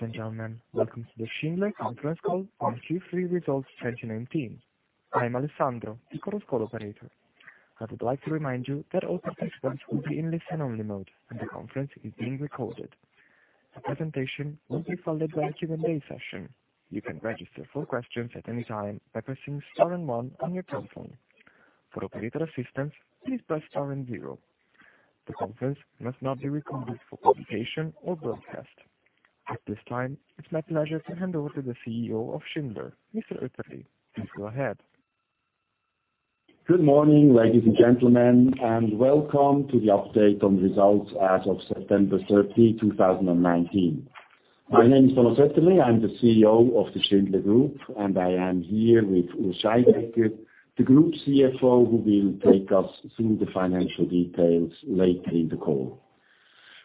Ladies and gentlemen, welcome to the Schindler conference call on Q3 Results 2019. I'm Alessandro, the conference call operator. I would like to remind you that all participants will be in listen-only mode, and the conference is being recorded. The presentation will be followed by a Q&A session. You can register for questions at any time by pressing star and one on your telephone. For operator assistance, please press star and zero. The conference must not be recorded for publication or broadcast. At this time, it's my pleasure to hand over to the CEO of Schindler, Mr. Oetterli. Please go ahead. Good morning, ladies and gentlemen, welcome to the update on results as of September 30, 2019. My name is Thomas Oetterli. I'm the CEO of the Schindler Group, I am here with Urs Scheidegger, the Group CFO, who will take us through the financial details later in the call.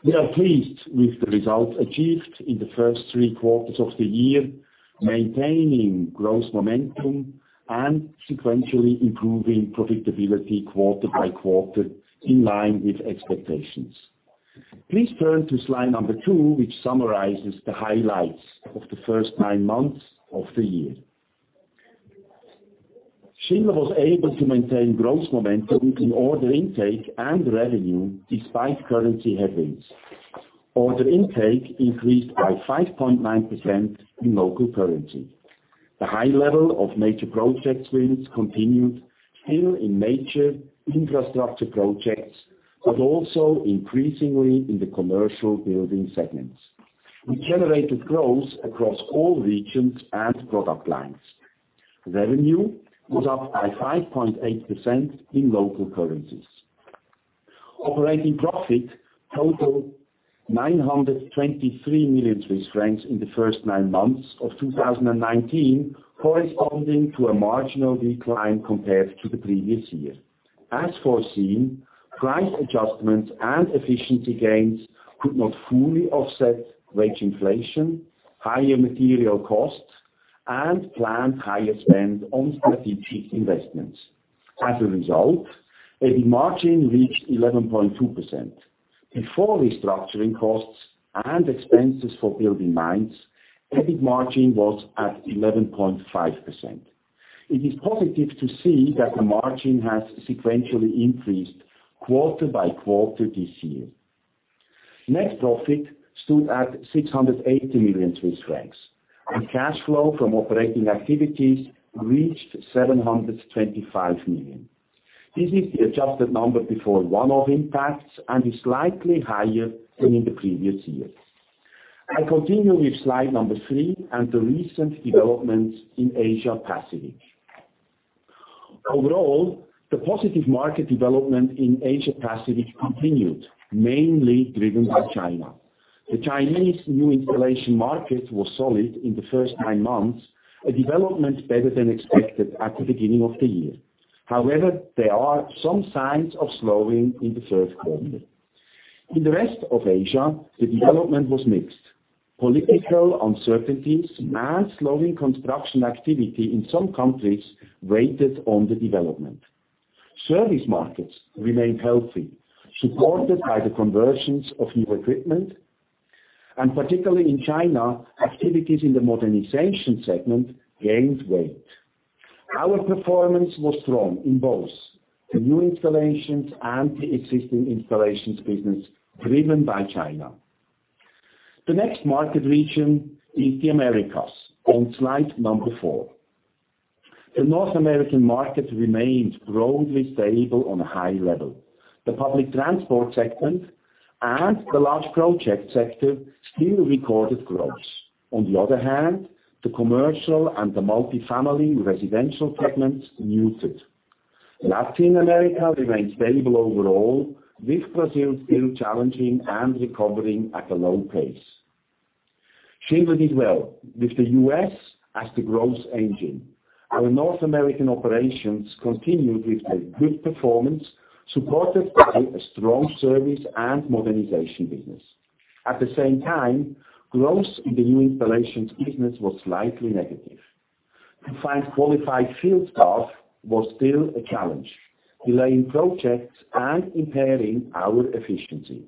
We are pleased with the results achieved in the first three quarters of the year, maintaining growth momentum and sequentially improving profitability quarter by quarter, in line with expectations. Please turn to slide number two, which summarizes the highlights of the first nine months of the year. Schindler was able to maintain growth momentum in order intake and revenue despite currency headwinds. Order intake increased by 5.9% in local currency. The high level of major project wins continued, still in major infrastructure projects, also increasingly in the commercial building segments. We generated growth across all regions and product lines. Revenue was up by 5.8% in local currencies. Operating profit totaled 923 million Swiss francs in the first nine months of 2019, corresponding to a marginal decline compared to the previous year. As foreseen, price adjustments and efficiency gains could not fully offset wage inflation, higher material costs, and planned higher spend on strategic investments. As a result, EBIT margin reached 11.2%. Before restructuring costs and expenses for BuildingMinds, EBIT margin was at 11.5%. It is positive to see that the margin has sequentially increased quarter by quarter this year. Net profit stood at 680 million Swiss francs, and cash flow from operating activities reached 725 million. This is the adjusted number before one-off impacts and is slightly higher than in the previous years. I continue with slide number three and the recent developments in Asia-Pacific. Overall, the positive market development in Asia-Pacific continued, mainly driven by China. The Chinese new installation market was solid in the first nine months, a development better than expected at the beginning of the year. There are some signs of slowing in the third quarter. In the rest of Asia, the development was mixed. Political uncertainties and slowing construction activity in some countries weighted on the development. Service markets remained healthy, supported by the conversions of new equipment, and particularly in China, activities in the modernization segment gained weight. Our performance was strong in both the new installations and the existing installations business, driven by China. The next market region is the Americas on slide number four. The North American market remains broadly stable on a high level. The public transport segment and the large project sector still recorded growth. On the other hand, the commercial and the multi-family residential segments muted. Latin America remains stable overall, with Brazil still challenging and recovering at a low pace. Schindler did well with the U.S. as the growth engine. Our North American operations continued with a good performance, supported by a strong service and modernization business. At the same time, growth in the new installations business was slightly negative. To find qualified field staff was still a challenge, delaying projects and impairing our efficiency.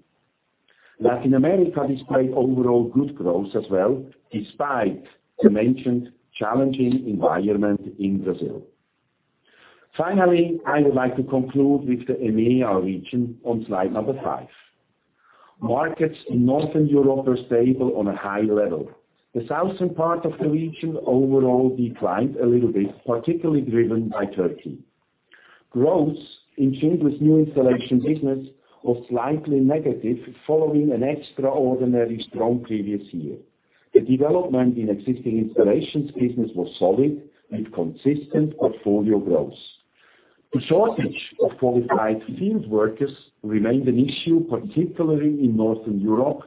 Latin America displayed overall good growth as well, despite the mentioned challenging environment in Brazil. Finally, I would like to conclude with the EMEA region on slide number five. Markets in Northern Europe are stable on a high level. The southern part of the region overall declined a little bit, particularly driven by Turkey. Growth in Schindler's new installation business was slightly negative following an extraordinary strong previous year. The development in existing installations business was solid with consistent portfolio growth. The shortage of qualified field workers remained an issue, particularly in Northern Europe,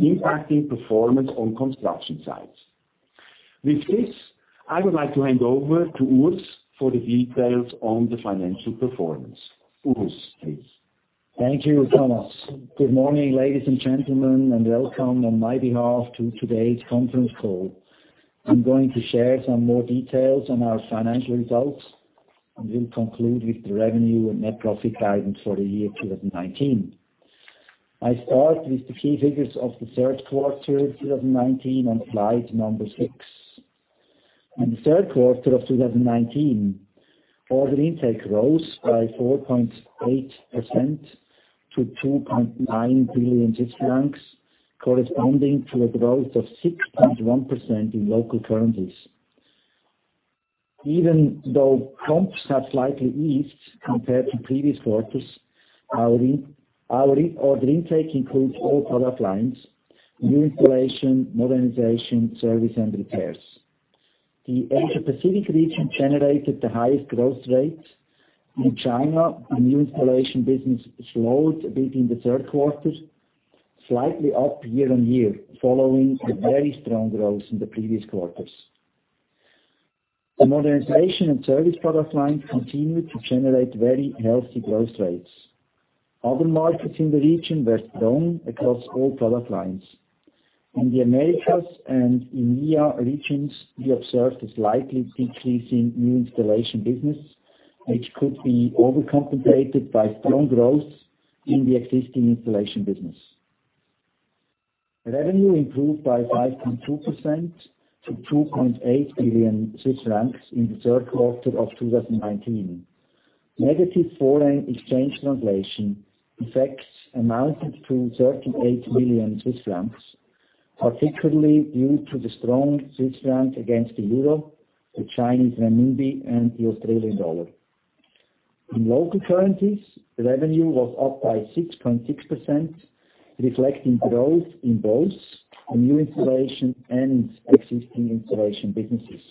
impacting performance on construction sites. With this, I would like to hand over to Urs for the details on the financial performance. Urs, please. Thank you, Thomas. Good morning, ladies and gentlemen, and welcome on my behalf to today's conference call. I'm going to share some more details on our financial results. We'll conclude with the revenue and net profit guidance for the year 2019. I start with the key figures of the third quarter 2019 on slide number six. In the third quarter of 2019, order intake rose by 4.8% to 2.9 billion francs, corresponding to a growth of 6.1% in local currencies. Even though comps have slightly eased compared to previous quarters, our order intake includes all product lines, new installation, modernization, service, and repairs. The Asia Pacific region generated the highest growth rates. In China, the new installation business slowed a bit in the third quarter, slightly up year-on-year following the very strong growth in the previous quarters. The modernization and service product lines continued to generate very healthy growth rates. Other markets in the region were strong across all product lines. In the Americas and EMEA regions, we observed a slightly decreasing new installation business, which could be overcompensated by strong growth in the existing installation business. Revenue improved by 5.2% to 2.8 billion Swiss francs in the third quarter of 2019. Negative foreign exchange translation effects amounted to 38 million Swiss francs, particularly due to the strong Swiss franc against the EUR, the CNY, and the AUD. In local currencies, revenue was up by 6.6%, reflecting growth in both the new installation and existing installation businesses.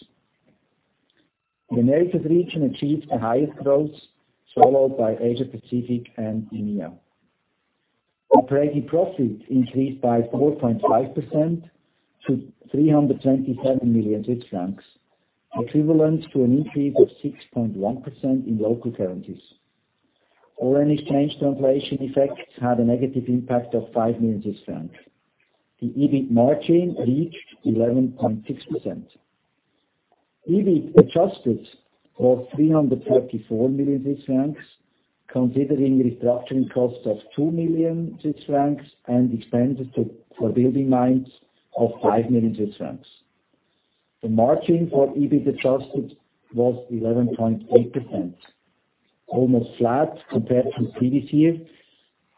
The Americas region achieved the highest growth, followed by Asia Pacific and EMEA. Operating profit increased by 4.5% to 327 million Swiss francs, equivalent to an increase of 6.1% in local currencies. Foreign exchange translation effects had a negative impact of 5 million francs. The EBIT margin reached 11.6%. EBIT adjusted of 334 million Swiss francs, considering restructuring costs of 2 million Swiss francs and expenses for BuildingMinds of 5 million Swiss francs. The margin for EBIT adjusted was 11.8%, almost flat compared to previous years,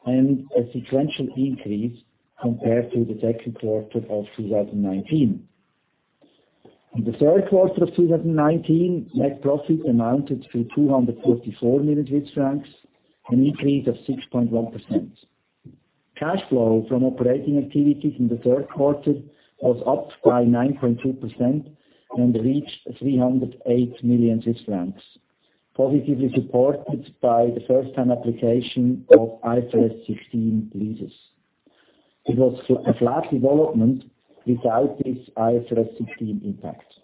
and a sequential increase compared to the second quarter of 2019. In the third quarter of 2019, net profit amounted to 244 million Swiss francs, an increase of 6.1%. Cash flow from operating activities in the third quarter was up by 9.2% and reached 308 million Swiss francs, positively supported by the first-time application of IFRS 16 leases. It was a flat development without this IFRS 16 impact.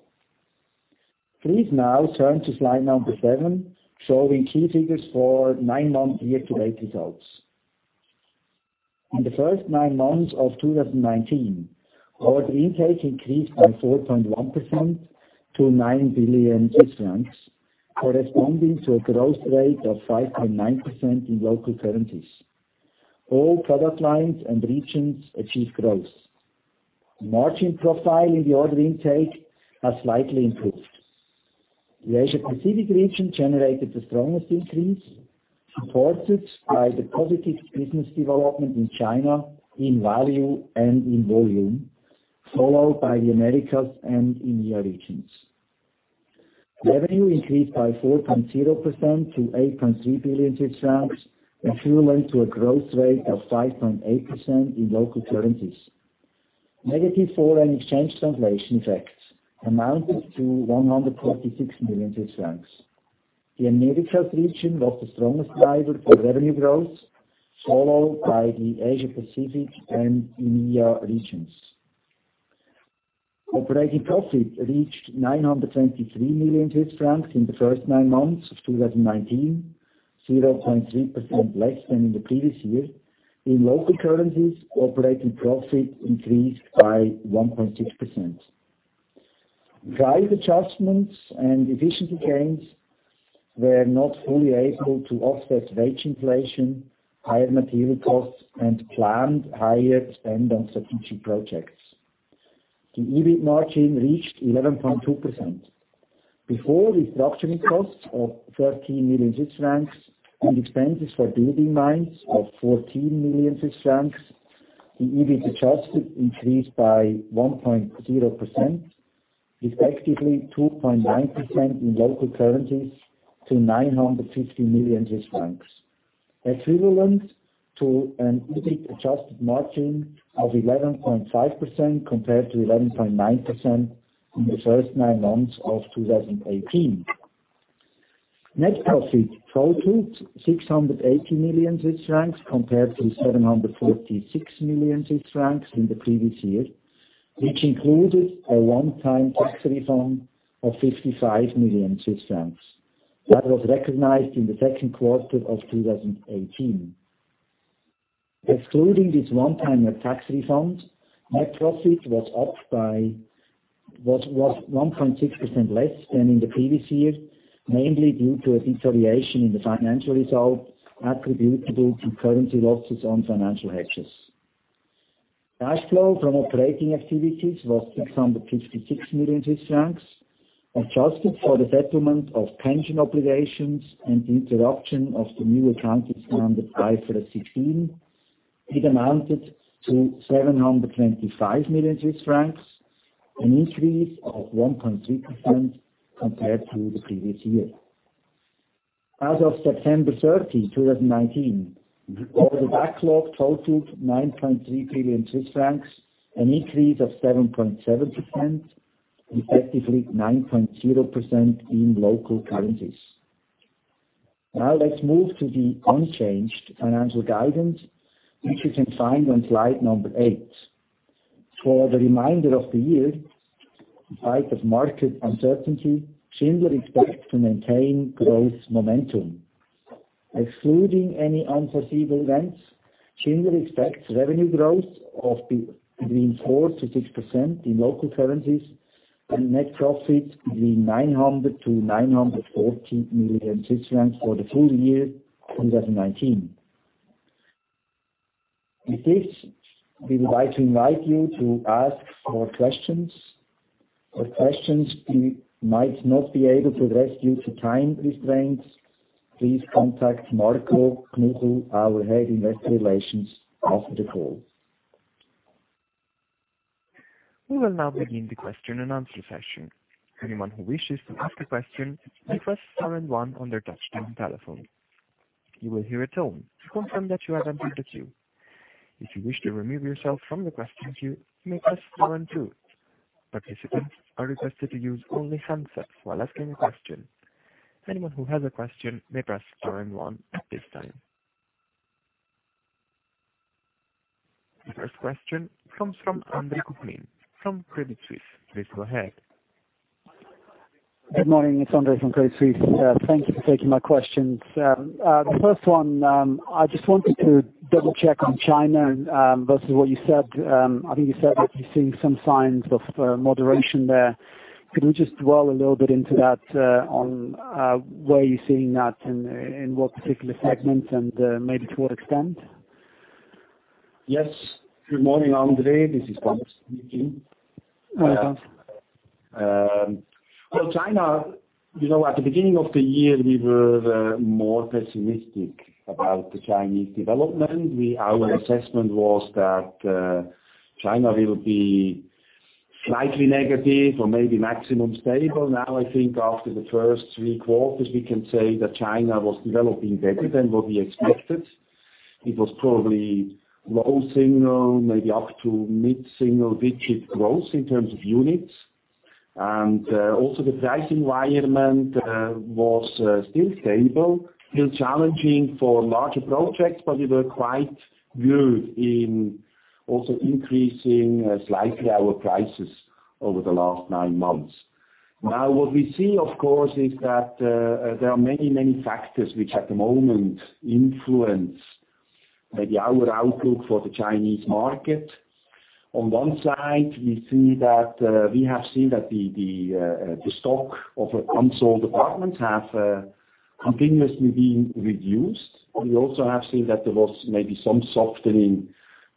Please now turn to slide number seven, showing key figures for nine-month year-to-date results. In the first nine months of 2019, order intake increased by 4.1% to 9 billion, corresponding to a growth rate of 5.9% in local currencies. All product lines and regions achieved growth. The margin profile in the order intake has slightly improved. The Asia Pacific region generated the strongest increase, supported by the positive business development in China in value and in volume, followed by the Americas and EMEA regions. Revenue increased by 4.0% to 8.3 billion Swiss francs, equivalent to a growth rate of 5.8% in local currencies. Negative foreign exchange translation effects amounted to 146 million Swiss francs. The Americas region was the strongest driver for revenue growth, followed by the Asia Pacific and EMEA regions. Operating profit reached 923 million Swiss francs in the first nine months of 2019, 0.3% less than in the previous year. In local currencies, operating profit increased by 1.6%. Price adjustments and efficiency gains were not fully able to offset wage inflation, higher material costs, and planned higher spend on strategic projects. The EBIT margin reached 11.2%. Before restructuring costs of 13 million Swiss francs and expenses for BuildingMinds of 14 million Swiss francs, the EBIT adjusted increased by 1.0%, effectively 2.9% in local currencies to 950 million Swiss francs. Equivalent to an EBIT-adjusted margin of 11.5% compared to 11.9% in the first nine months of 2018. Net profit totaled 680 million Swiss francs compared to 746 million Swiss francs in the previous year, which included a one-time tax refund of 55 million Swiss francs that was recognized in the second quarter of 2018. Excluding this one-time tax refund, net profit was up by 1.6% less than in the previous year, mainly due to a deterioration in the financial results attributable to currency losses on financial hedges. Cash flow from operating activities was 656 million Swiss francs. Adjusted for the settlement of pension obligations and the interruption of the new accounting standard IFRS 16, it amounted to 725 million Swiss francs, an increase of 1.3% compared to the previous year. As of September 30, 2019, the order backlog totaled 9.3 billion Swiss francs, an increase of 7.7%, effectively 9.0% in local currencies. Let's move to the unchanged financial guidance, which you can find on slide number eight. For the remainder of the year, in spite of market uncertainty, Schindler expects to maintain growth momentum. Excluding any unforeseeable events, Schindler expects revenue growth of between 4%-6% in local currencies and net profit between 900 million-940 million Swiss francs for the full year 2019. With this, we would like to invite you to ask your questions. For questions we might not be able to address due to time restraints, please contact Marco Knuchel, our Head Investor Relations, after the call. We will now begin the question and answer session. Anyone who wishes to ask a question, may press star and one on their touchtone telephone. You will hear a tone to confirm that you have entered the queue. If you wish to remove yourself from the questions queue, you may press star and two. Participants are requested to use only handsets while asking a question. Anyone who has a question may press star and one at this time. The first question comes from Andre Kuklin from Credit Suisse. Please go ahead. Good morning, it's Andre from Credit Suisse. Thank you for taking my questions. The first one, I just wanted to double-check on China versus what you said. I think you said that you're seeing some signs of moderation there. Could we just dwell a little bit into that, on where you're seeing that and in what particular segments and maybe to what extent? Yes. Good morning, Andre, this is Thomas speaking. Morning, Thomas. Well, China, at the beginning of the year, we were more pessimistic about the Chinese development. Our assessment was that China will be slightly negative or maybe maximum stable. I think after the first three quarters, we can say that China was developing better than what we expected. It was probably low single, maybe up to mid-single digit growth in terms of units. Also, the price environment was still stable, still challenging for larger projects, but we were quite good in also increasing slightly our prices over the last nine months. What we see, of course, is that there are many, many factors which at the moment influence maybe our outlook for the Chinese market. On one side, we have seen that the stock of unsold apartments have continuously been reduced. We also have seen that there was maybe some softening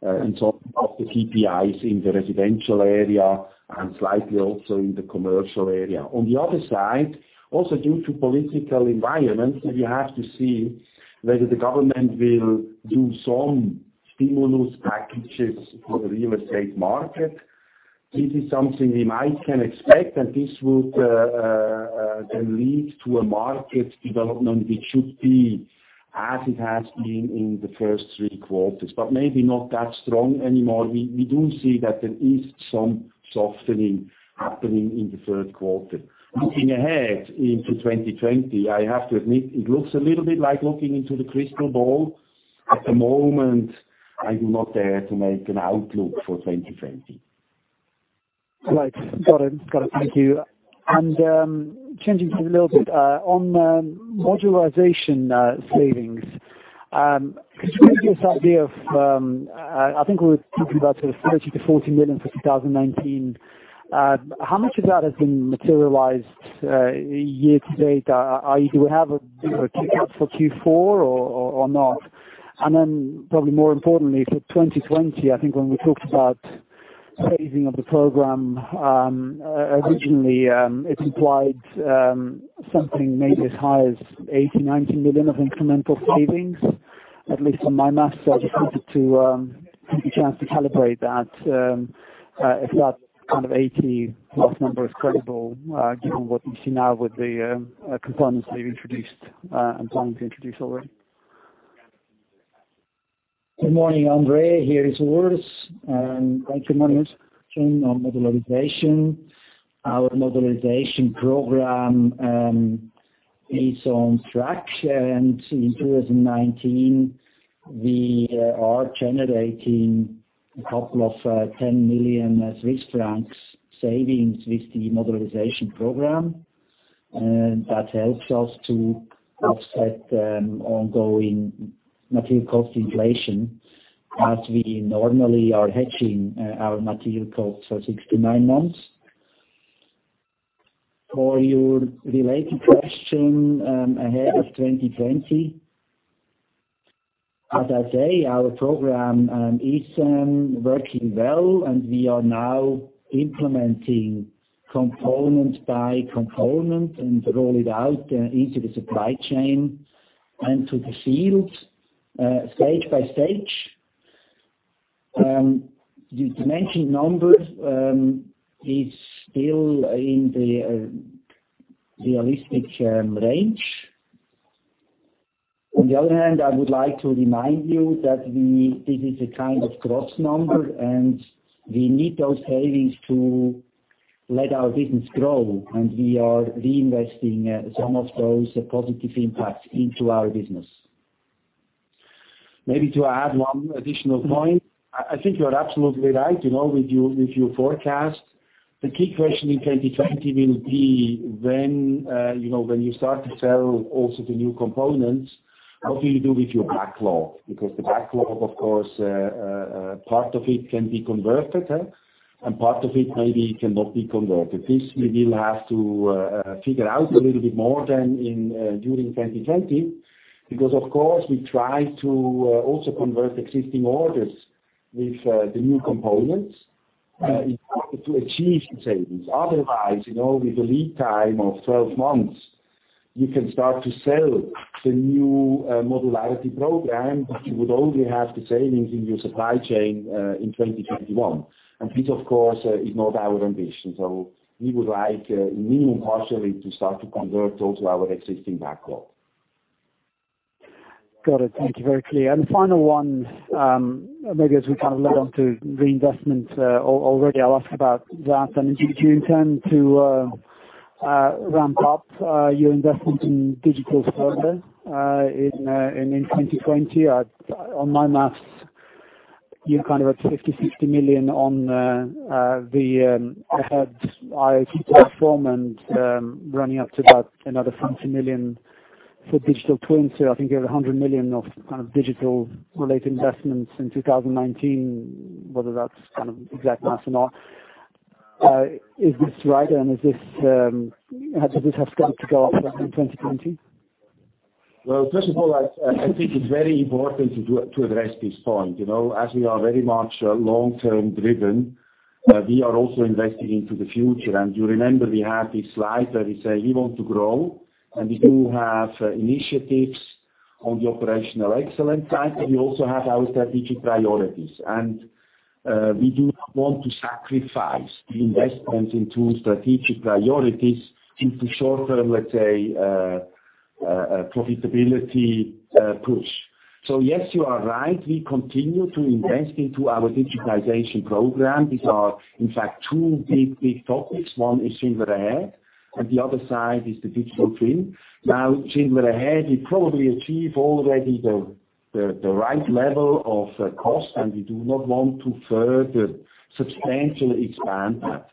in some of the CPIs in the residential area and slightly also in the commercial area. On the other side, also due to political environment, we have to see whether the government will do some stimulus packages for the real estate market. This is something we might can expect, and this would then lead to a market development, which should be as it has been in the first three quarters, maybe not that strong anymore. We do see that there is some softening happening in the third quarter. Looking ahead into 2020, I have to admit, it looks a little bit like looking into the crystal ball. At the moment, I do not dare to make an outlook for 2020. Right. Got it. Thank you. Changing topics a little bit, on modularization savings, could you give us idea of, I think we were thinking about sort of 30 million-40 million for 2019. How much of that has been materialized year-to-date? Do we have a figure for Q4 or not? Then probably more importantly for 2020, I think when we talked about phasing of the program, originally, it implied something maybe as high as 80 million-90 million of incremental savings, at least on my math. I just wanted to get a chance to calibrate that, if that kind of 80+ number is credible given what we see now with the components they've introduced and planning to introduce already. Good morning, Andre, here is Urs. Thank you. Morning. On modularization. Our modularization program is on track, and in 2019, we are generating a couple of 10 million Swiss francs savings with the modularization program. That helps us to offset the ongoing material cost inflation as we normally are hedging our material cost for six to nine months. For your related question ahead of 2020, as I say, our program is working well, and we are now implementing component by component and roll it out into the supply chain and to the field stage by stage. The mentioned number is still in the realistic range. On the other hand, I would like to remind you that this is a kind of gross number, and we need those savings to let our business grow, and we are reinvesting some of those positive impacts into our business. Maybe to add one additional point. I think you are absolutely right with your forecast. The key question in 2020 will be when you start to sell also the new components, how do you do with your backlog? Because the backlog, of course, part of it can be converted, and part of it maybe cannot be converted. This we will have to figure out a little bit more than during 2020, because, of course, we try to also convert existing orders with the new components in order to achieve some savings. Otherwise, with a lead time of 12 months, you can start to sell the new modularity program, but you would only have the savings in your supply chain in 2021. This, of course, is not our ambition. We would like minimum partially to start to convert also our existing backlog. Got it. Thank you. Very clear. The final one, maybe as we kind of led on to reinvestment already, I'll ask about that. Do you intend to ramp up your investment in digital further in 2020? On my math, you're at 50 million-60 million on the ahead IoT platform and running up to about another 15 million for digital twins. I think you have 100 million of digital-related investments in 2019, whether that's exact math or not. Is this right, and does this have scope to go up in 2020? Well, first of all, I think it's very important to address this point. As we are very much long-term driven, we are also investing into the future. You remember we had this slide that we say we want to grow, and we do have initiatives on the operational excellence side, but we also have our strategic priorities. We do not want to sacrifice the investment into strategic priorities into short-term, let's say, profitability push. Yes, you are right. We continue to invest into our digitalization program. These are in fact two big, big topics. One is Schindler Ahead, and the other side is the digital twin. Schindler Ahead, we probably achieve already the right level of cost, and we do not want to further substantially expand that.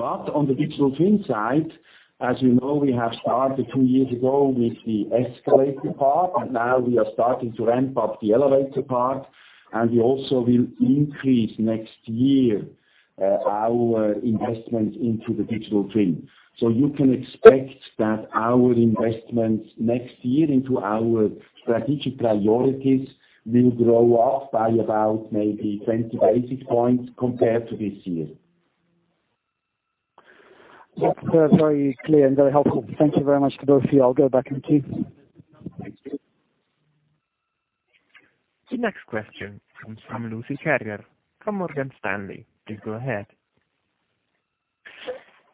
On the digital twin side, as you know, we have started two years ago with the escalator part, and now we are starting to ramp up the elevator part, and we also will increase next year our investments into the digital twin. You can expect that our investments next year into our strategic priorities will grow up by about maybe 20 basis points compared to this year. That's very clear and very helpful. Thank you very much to both of you. I will go back in queue. Thank you. The next question comes from Lucie Carrier from Morgan Stanley. Please go ahead.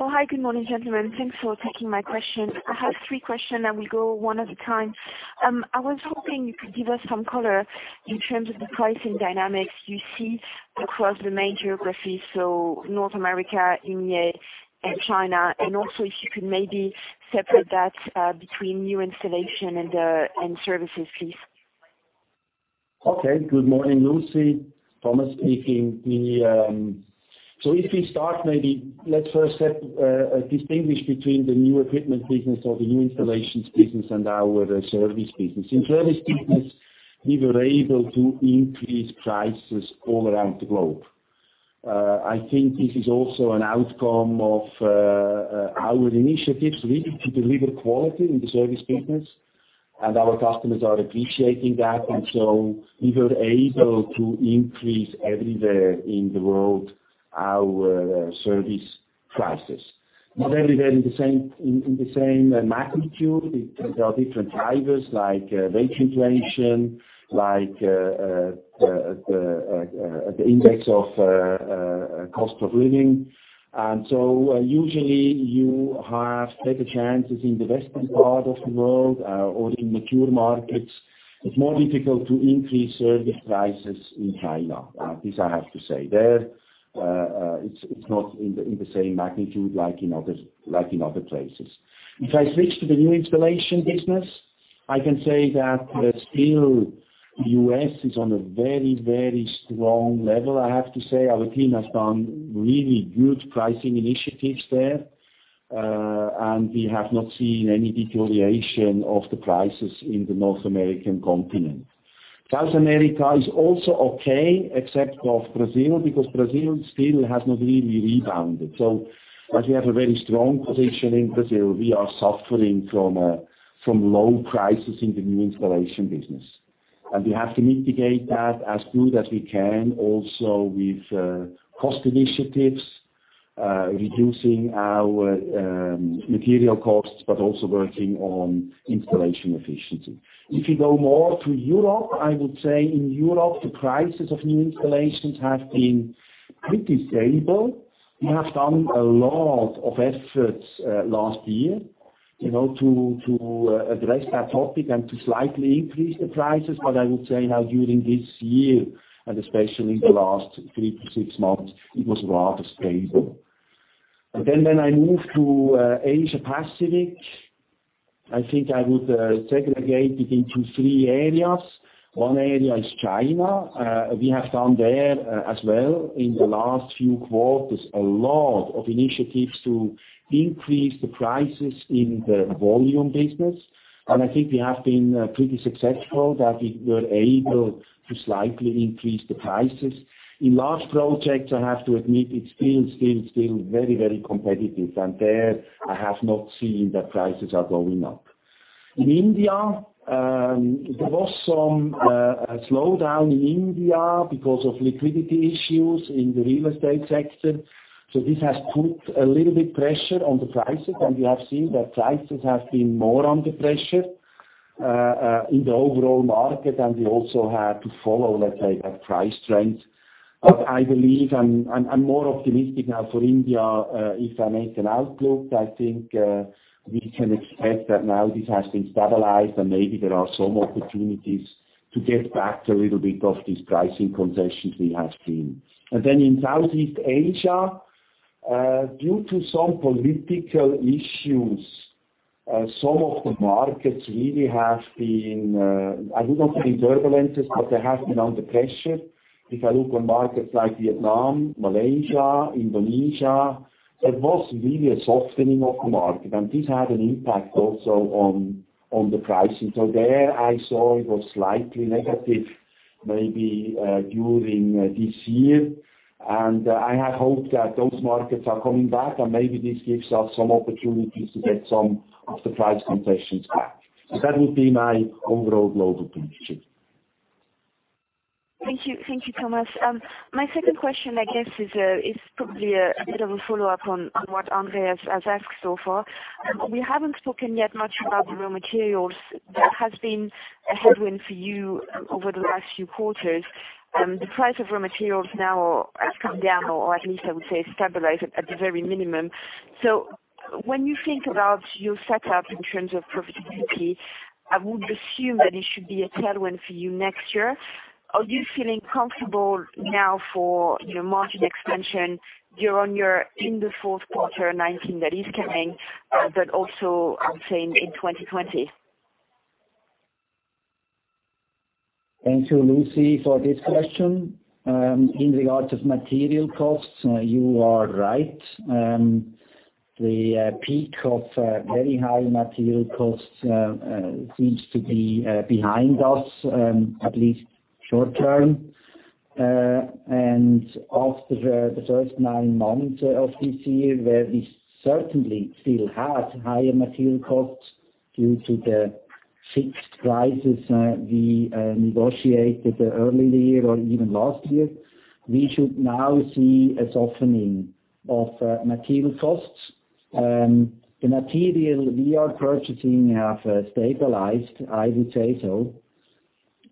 Oh, hi. Good morning, gentlemen. Thanks for taking my question. I have three question. We go one at a time. I was hoping you could give us some color in terms of the pricing dynamics you see across the main geographies, so North America, EMEA, and China. Also if you could maybe separate that between new installation and services, please. Okay. Good morning, Lucie. Thomas speaking. If we start, maybe let's first distinguish between the new equipment business or the new installations business and our service business. In service business, we were able to increase prices all around the globe. I think this is also an outcome of our initiatives really to deliver quality in the service business, and our customers are appreciating that. We were able to increase everywhere in the world our service prices. Not everywhere in the same magnitude. There are different drivers like wage inflation, like the index of cost of living. Usually you have better chances in the Western part of the world or in mature markets. It's more difficult to increase service prices in China. This I have to say. There it's not in the same magnitude like in other places. If I switch to the new installation business, I can say that still, U.S. is on a very strong level. I have to say, our team has done really good pricing initiatives there, and we have not seen any deterioration of the prices in the North American continent. South America is also okay, except for Brazil, because Brazil still has not really rebounded. As we have a very strong position in Brazil, we are suffering from low prices in the new installation business. We have to mitigate that as good as we can also with cost initiatives, reducing our material costs, but also working on installation efficiency. If you go more to Europe, I would say in Europe, the prices of new installations have been pretty stable. We have done a lot of efforts last year, to address that topic and to slightly increase the prices. I would say now during this year, and especially the last three to six months, it was rather stable. When I move to Asia Pacific, I think I would segregate it into three areas. One area is China. We have done there as well in the last few quarters, a lot of initiatives to increase the prices in the volume business. I think we have been pretty successful that we were able to slightly increase the prices. In large projects, I have to admit, it's been still very competitive, and there I have not seen that prices are going up. In India, there was some slowdown in India because of liquidity issues in the real estate sector. This has put a little bit pressure on the prices, and we have seen that prices have been more under pressure, in the overall market, and we also had to follow, let's say, that price trend. I believe I'm more optimistic now for India. If I make an outlook, I think we can expect that now this has been stabilized, and maybe there are some opportunities to get back to a little bit of these pricing concessions we have seen. In Southeast Asia, due to some political issues, some of the markets really have been, I would not say turbulent, but they have been under pressure. If I look on markets like Vietnam, Malaysia, Indonesia, there was really a softening of the market, and this had an impact also on the pricing. There I saw it was slightly negative maybe during this year. I hope that those markets are coming back, and maybe this gives us some opportunities to get some of the price concessions back. That would be my overall global picture. Thank you, Thomas. My second question, I guess, is probably a bit of a follow-up on what Andre has asked so far. We haven't spoken yet much about the raw materials that has been a headwind for you over the last few quarters. The price of raw materials now has come down or at least I would say stabilized at the very minimum. When you think about your setup in terms of profitability, I would assume that it should be a tailwind for you next year. Are you feeling comfortable now for your margin expansion year-on-year in the fourth quarter 2019 that is coming, but also, I would say, in 2020? Thank you, Lucie, for this question. In regards of material costs, you are right. The peak of very high material costs seems to be behind us, at least short term. After the first nine months of this year, where we certainly still had higher material costs due to the fixed prices we negotiated early this year or even last year, we should now see a softening of material costs. The material we are purchasing have stabilized, I would say so.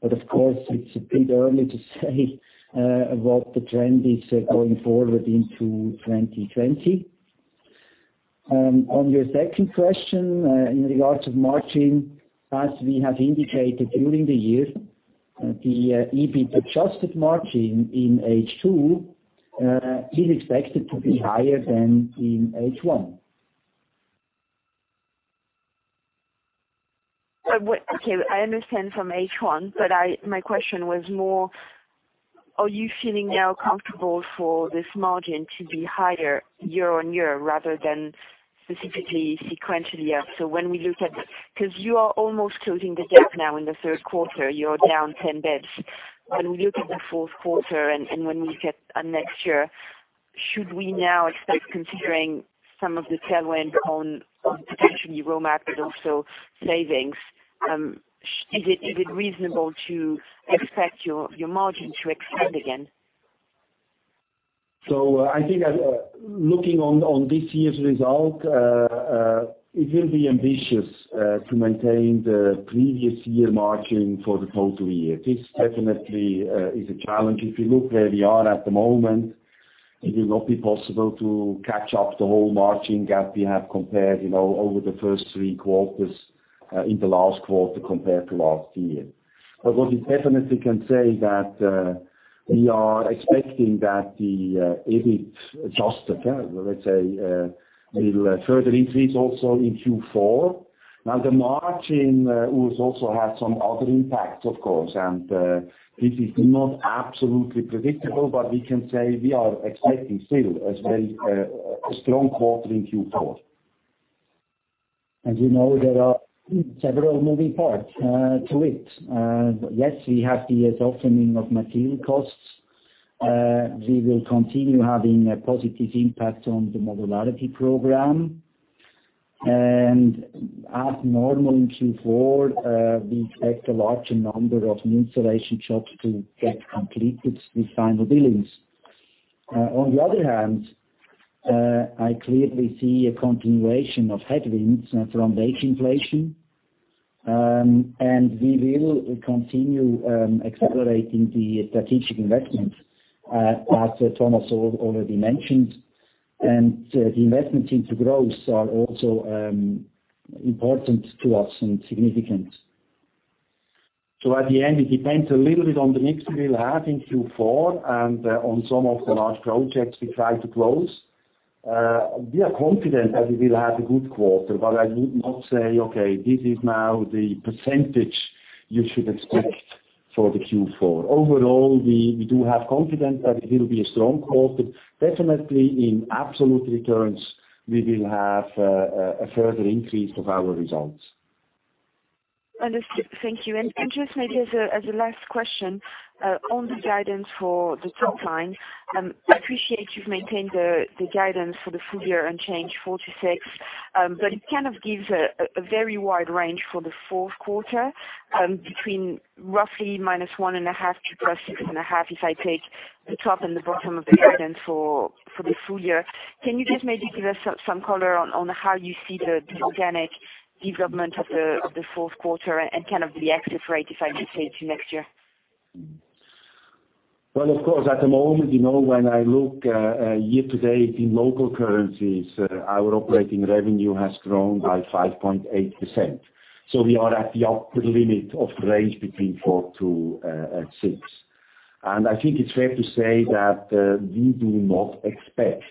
Of course, it's a bit early to say what the trend is going forward into 2020. On your second question, in regards of margin, as we have indicated during the year, the EBIT adjusted margin in H2 is expected to be higher than in H1. Okay, I understand from H1. My question was more, are you feeling now comfortable for this margin to be higher year-on-year rather than specifically sequentially up? You are almost closing the gap now in the third quarter, you are down 10 basis points. When we look at the fourth quarter and when we look at next year, should we now expect considering some of the tailwind on potentially raw material savings, is it reasonable to expect your margin to expand again? I think looking on this year's result, it will be ambitious to maintain the previous year margin for the total year. This definitely is a challenge. If you look where we are at the moment, it will not be possible to catch up the whole margin gap we have compared over the first three quarters, in the last quarter compared to last year. What we definitely can say is that we are expecting that the EBIT adjusted, let's say, will further increase also in Q4. The margin also has some other impacts, of course, and this is not absolutely predictable, but we can say we are expecting still a very strong quarter in Q4. We know there are several moving parts to it. Yes, we have the softening of material costs. We will continue having a positive impact on the modularity program. As normal in Q4, we expect a larger number of new installation jobs to get completed with final billings. On the other hand, I clearly see a continuation of headwinds from wage inflation, and we will continue accelerating the strategic investments, as Thomas already mentioned, and the investments into growth are also important to us and significant. At the end, it depends a little bit on the mix we will have in Q4 and on some of the large projects we try to close. We are confident that we will have a good quarter, but I would not say, okay, this is now the percentage you should expect for the Q4. We do have confidence that it will be a strong quarter. Definitely in absolute returns, we will have a further increase of our results. Understood. Thank you. Just maybe as a last question on the guidance for the top line. I appreciate you've maintained the guidance for the full year unchanged 4%-6%. It kind of gives a very wide range for the fourth quarter between roughly -1.5% to +6.5%, if I take the top and the bottom of the guidance for the full year. Can you just maybe give us some color on how you see the organic development of the fourth quarter and kind of the exit rate, if I may say, to next year? Well, of course, at the moment, when I look year to date in local currencies, our operating revenue has grown by 5.8%. We are at the upper limit of the range between four to six. I think it's fair to say that we do not expect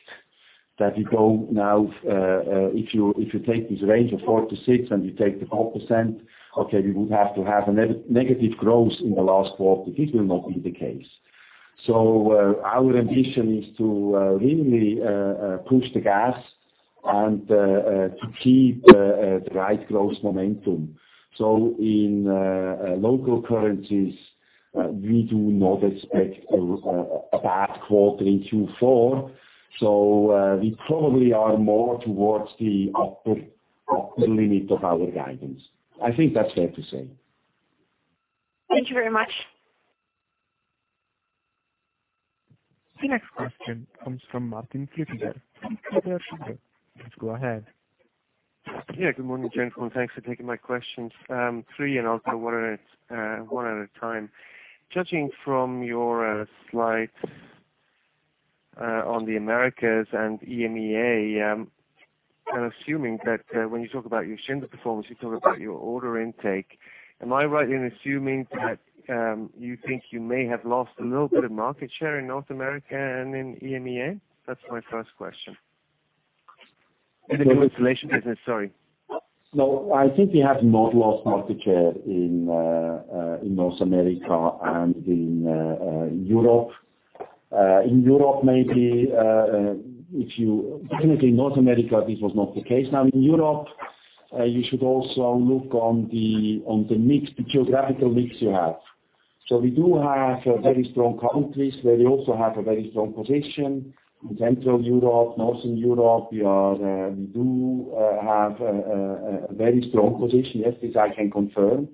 that we go now, if you take this range of four to six and you take the 4%, okay, we would have to have a negative growth in the last quarter. This will not be the case. Our ambition is to really push the gas and to keep the right growth momentum. In local currencies, we do not expect a bad quarter in Q4, we probably are more towards the upper limit of our guidance. I think that's fair to say. Thank you very much. The next question comes from Martin Hüsler. Klipfel, please go ahead. Yeah. Good morning, gentlemen. Thanks for taking my questions. Three, and also one at a time. Judging from your slides on the Americas and EMEA, I'm assuming that when you talk about your Schindler performance, you talk about your order intake. Am I right in assuming that you think you may have lost a little bit of market share in North America and in EMEA? That's my first question. In the new installation business, sorry. No, I think we have not lost market share in North America and in Europe. In Europe, maybe. Definitely North America, this was not the case. In Europe, you should also look on the geographical mix you have. We do have very strong countries where we also have a very strong position. In Central Europe, Northern Europe, we do have a very strong position. Yes, this I can confirm.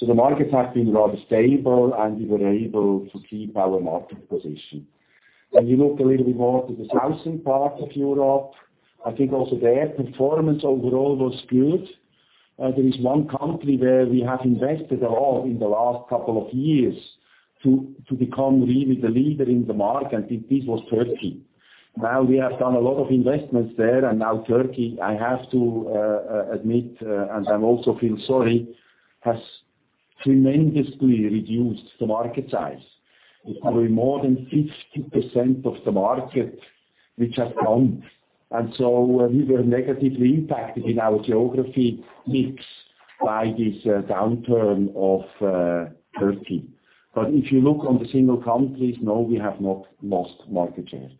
The markets have been rather stable, and we were able to keep our market position. When you look a little bit more to the southern part of Europe, I think also there, performance overall was good. There is one country where we have invested a lot in the last couple of years to become really the leader in the market, and this was Turkey. Now we have done a lot of investments there, now Turkey, I have to admit, and I also feel sorry, has tremendously reduced the market size. It's probably more than 50% of the market which has gone. So we were negatively impacted in our geography mix by this downturn of Turkey. If you look on the single countries, no, we have not lost market share.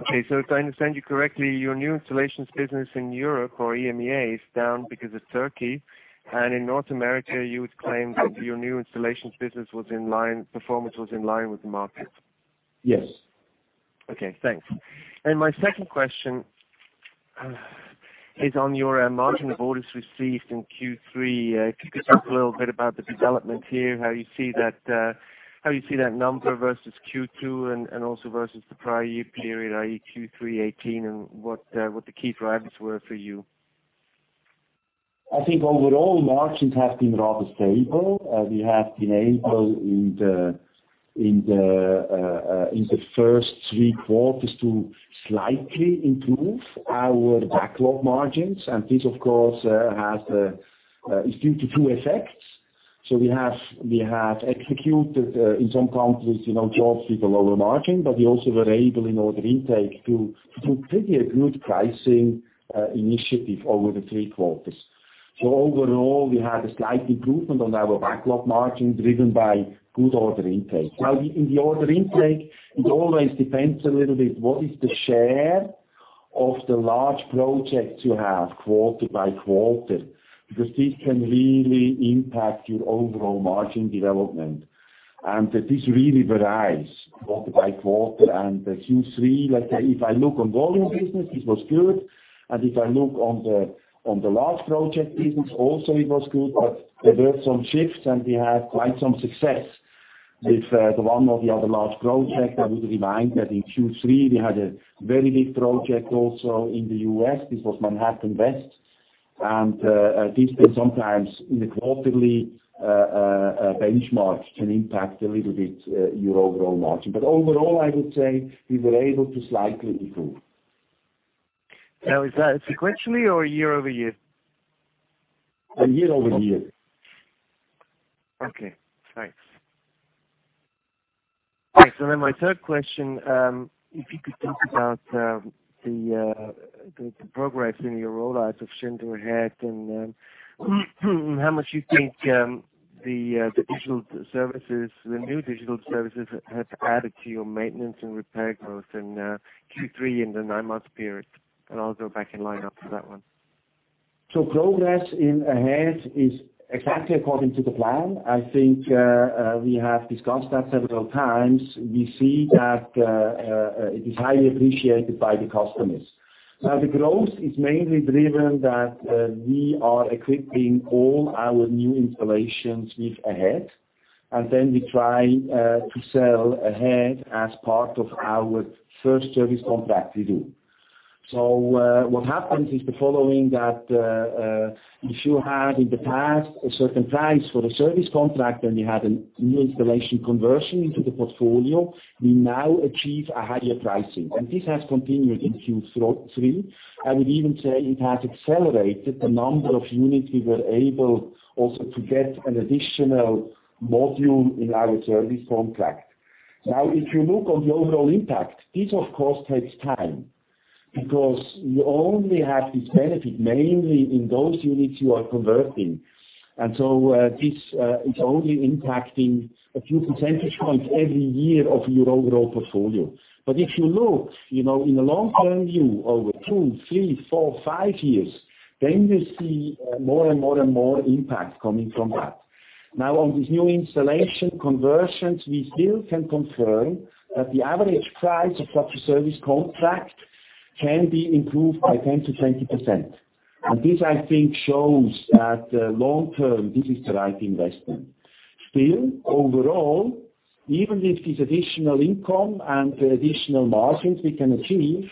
Okay, if I understand you correctly, your new installations business in Europe or EMEA is down because of Turkey. In North America, you would claim that your new installations business performance was in line with the market. Yes. Okay, thanks. My second question is on your margin of orders received in Q3. Could you talk a little bit about the development here, how you see that number versus Q2 and also versus the prior year period, i.e. Q3 2018, and what the key drivers were for you? I think overall margins have been rather stable. We have been able in the first three quarters to slightly improve our backlog margins. This, of course, is due to two effects. We have executed, in some countries, jobs with a lower margin, but we also were able in order intake to do pretty a good pricing initiative over the three quarters. Overall, we had a slight improvement on our backlog margin driven by good order intake. Now, in the order intake, it always depends a little bit what is the share of the large projects you have quarter by quarter, because this can really impact your overall margin development. This really varies quarter by quarter and Q3, if I look on volume business, it was good. If I look on the large project business also it was good, but there were some shifts, and we had quite some success with the one or the other large project. I would remind that in Q3, we had a very big project also in the U.S., this was Manhattan West, and this can sometimes in the quarterly benchmark can impact a little bit your overall margin. Overall, I would say we were able to slightly improve. Now, is that sequentially or year-over-year? Year-over-year. Okay, thanks. My third question, if you could talk about the progress in your rollout of Schindler Ahead and how much you think the new digital services has added to your maintenance and repair growth in Q3 in the nine-month period, and I'll go back in line after that one? Progress in Ahead is exactly according to the plan. I think we have discussed that several times. We see that it is highly appreciated by the customers. The growth is mainly driven that we are equipping all our new installations with Ahead, and then we try to sell Ahead as part of our first service contract we do. What happens is the following, that if you had in the past a certain price for the service contract and you had a new installation conversion into the portfolio, we now achieve a higher pricing. This has continued in Q3. I would even say it has accelerated the number of units we were able also to get an additional module in our service contract. Now, if you look on the overall impact, this of course takes time because you only have this benefit mainly in those units you are converting. This is only impacting a few percentage points every year of your overall portfolio. If you look in the long-term view over two, three, four, five years, then you see more and more impact coming from that. Now, on these new installation conversions, we still can confirm that the average price of such a service contract can be improved by 10%-20%. This I think shows that long term, this is the right investment. Still, overall, even with this additional income and additional margins we can achieve,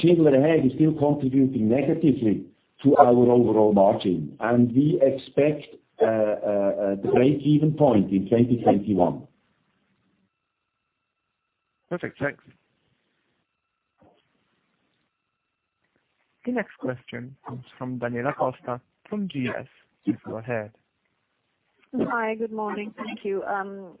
Schindler Ahead is still contributing negatively to our overall margin, and we expect a break-even point in 2021. Perfect. Thanks. The next question comes from Daniela Costa from GS. Please go ahead. Hi, good morning. Thank you.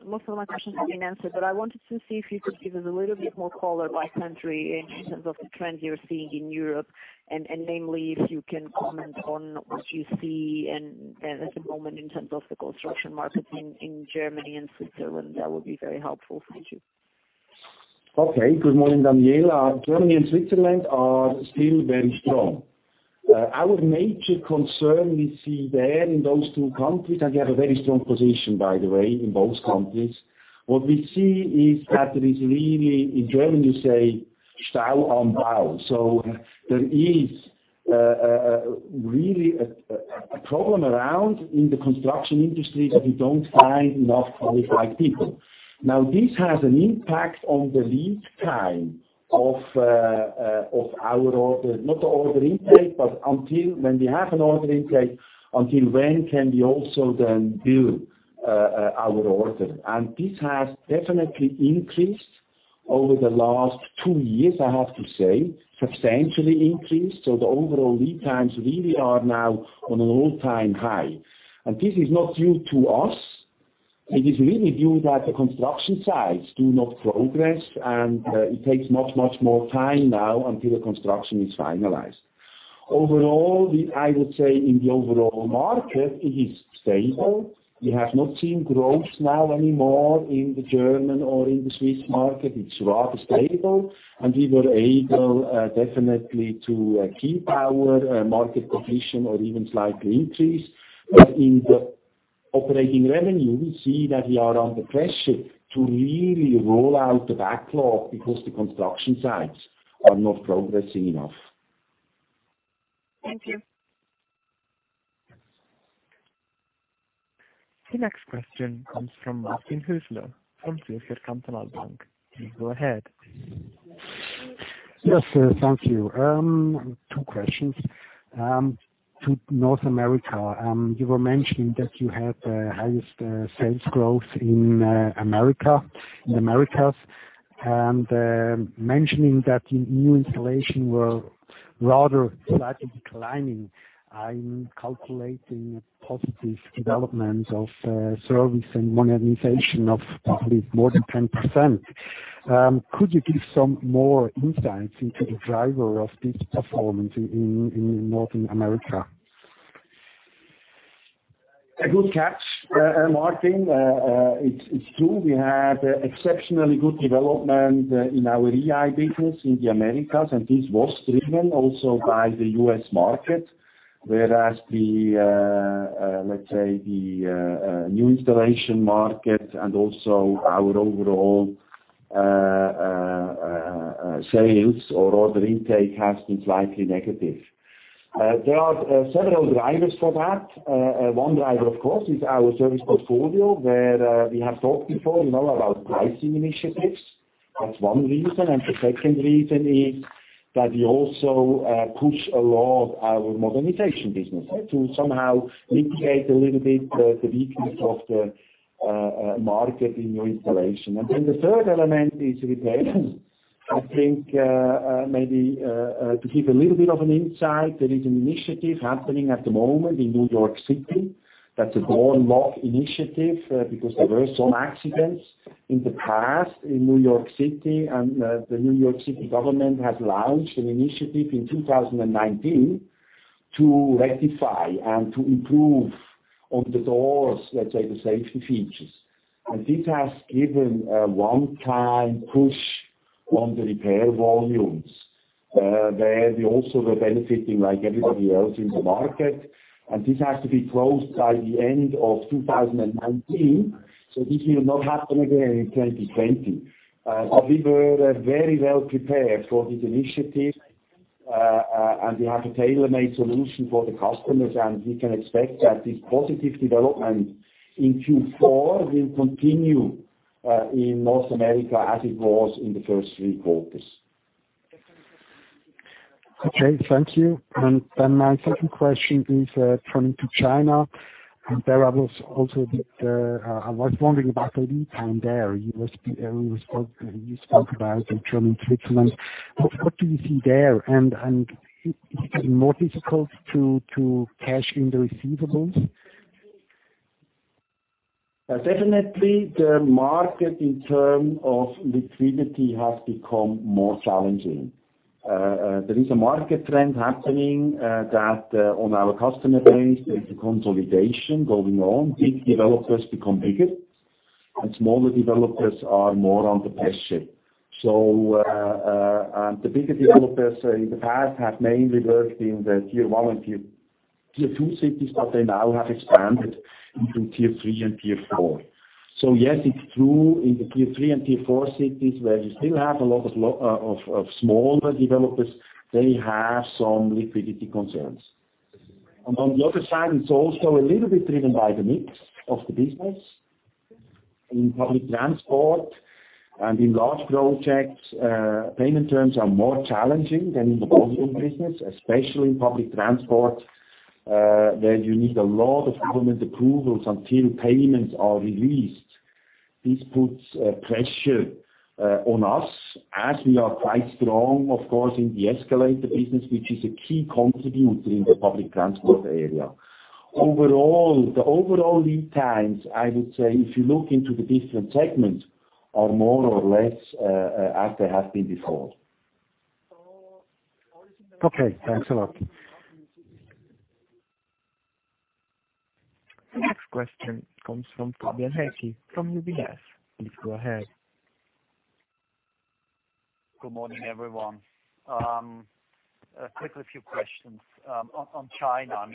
Most of my questions have been answered. I wanted to see if you could give us a little bit more color by country in terms of the trends you're seeing in Europe, namely, if you can comment on what you see at the moment in terms of the construction market in Germany and Switzerland. That would be very helpful. Thank you. Okay. Good morning, Daniela. Germany and Switzerland are still very strong. Our major concern we see there in those two countries, and we have a very strong position, by the way, in both countries. What we see is that there is really, in German, you say So there is really a problem around in the construction industry that you don't find enough qualified people. Now, this has an impact on the lead time of our order, not the order intake, but when we have an order intake, until when can we also then build our order. This has definitely increased over the last two years, I have to say, substantially increased. The overall lead times really are now on an all-time high. This is not due to us. It is really due that the construction sites do not progress, and it takes much, much more time now until the construction is finalized. Overall, I would say in the overall market, it is stable. We have not seen growth now anymore in the German or in the Swiss market. It's rather stable, and we were able definitely to keep our market position or even slightly increase. In the operating revenue, we see that we are under pressure to really roll out the backlog because the construction sites are not progressing enough. Thank you. The next question comes from Martin Hüsler from Zürcher Kantonalbank. Please go ahead. Yes, thank you. Two questions. To North America, you were mentioning that you had the highest sales growth in the Americas, and mentioning that the new installation were rather slightly declining. I'm calculating a positive development of service and modernization of probably more than 10%. Could you give some more insights into the driver of this performance in North America? A good catch, Martin. It's true, we had exceptionally good development in our EI business in the Americas, and this was driven also by the U.S. market. Whereas, let's say the new installation market and also our overall sales or order intake has been slightly negative. There are several drivers for that. One driver, of course, is our service portfolio, where we have talked before, we know about pricing initiatives. That's one reason. The second reason is that we also push a lot our modernization business to somehow mitigate a little bit the weakness of the market in new installation. The third element is repair. I think maybe to give a little bit of an insight, there is an initiative happening at the moment in New York City. That's a door lock initiative, because there were some accidents in the past in New York City, and the New York City government has launched an initiative in 2019 to rectify and to improve on the doors, let's say, the safety features. This has given a one-time push on the repair volumes. There we also were benefiting like everybody else in the market, and this has to be closed by the end of 2019. This will not happen again in 2020. We were very well prepared for this initiative, and we have a tailor-made solution for the customers, and we can expect that this positive development in Q4 will continue in North America as it was in the first three quarters. Okay, thank you. My second question is turning to China. There I was wondering about the lead time there. You spoke about in terms of Switzerland. What do you see there? Is it more difficult to cash in the receivables? Definitely, the market in terms of liquidity has become more challenging. There is a market trend happening, that on our customer base, there is a consolidation going on. Big developers become bigger, and smaller developers are more under pressure. The bigger developers in the past have mainly worked in the tier 1 and tier 2 cities, but they now have expanded into tier 3 and tier 4. Yes, it's true in the tier 3 and tier 4 cities, where you still have a lot of smaller developers, they have some liquidity concerns. On the other side, it's also a little bit driven by the mix of the business. In public transport and in large projects, payment terms are more challenging than in the volume business, especially in public transport, where you need a lot of government approvals until payments are released. This puts pressure on us as we are quite strong, of course, in the escalator business, which is a key contributor in the public transport area. Overall, the overall lead times, I would say, if you look into the different segments, are more or less as they have been before. Okay, thanks a lot. The next question comes from Fabian Hingst from UBS. Please go ahead. Good morning, everyone. A quick few questions. On China,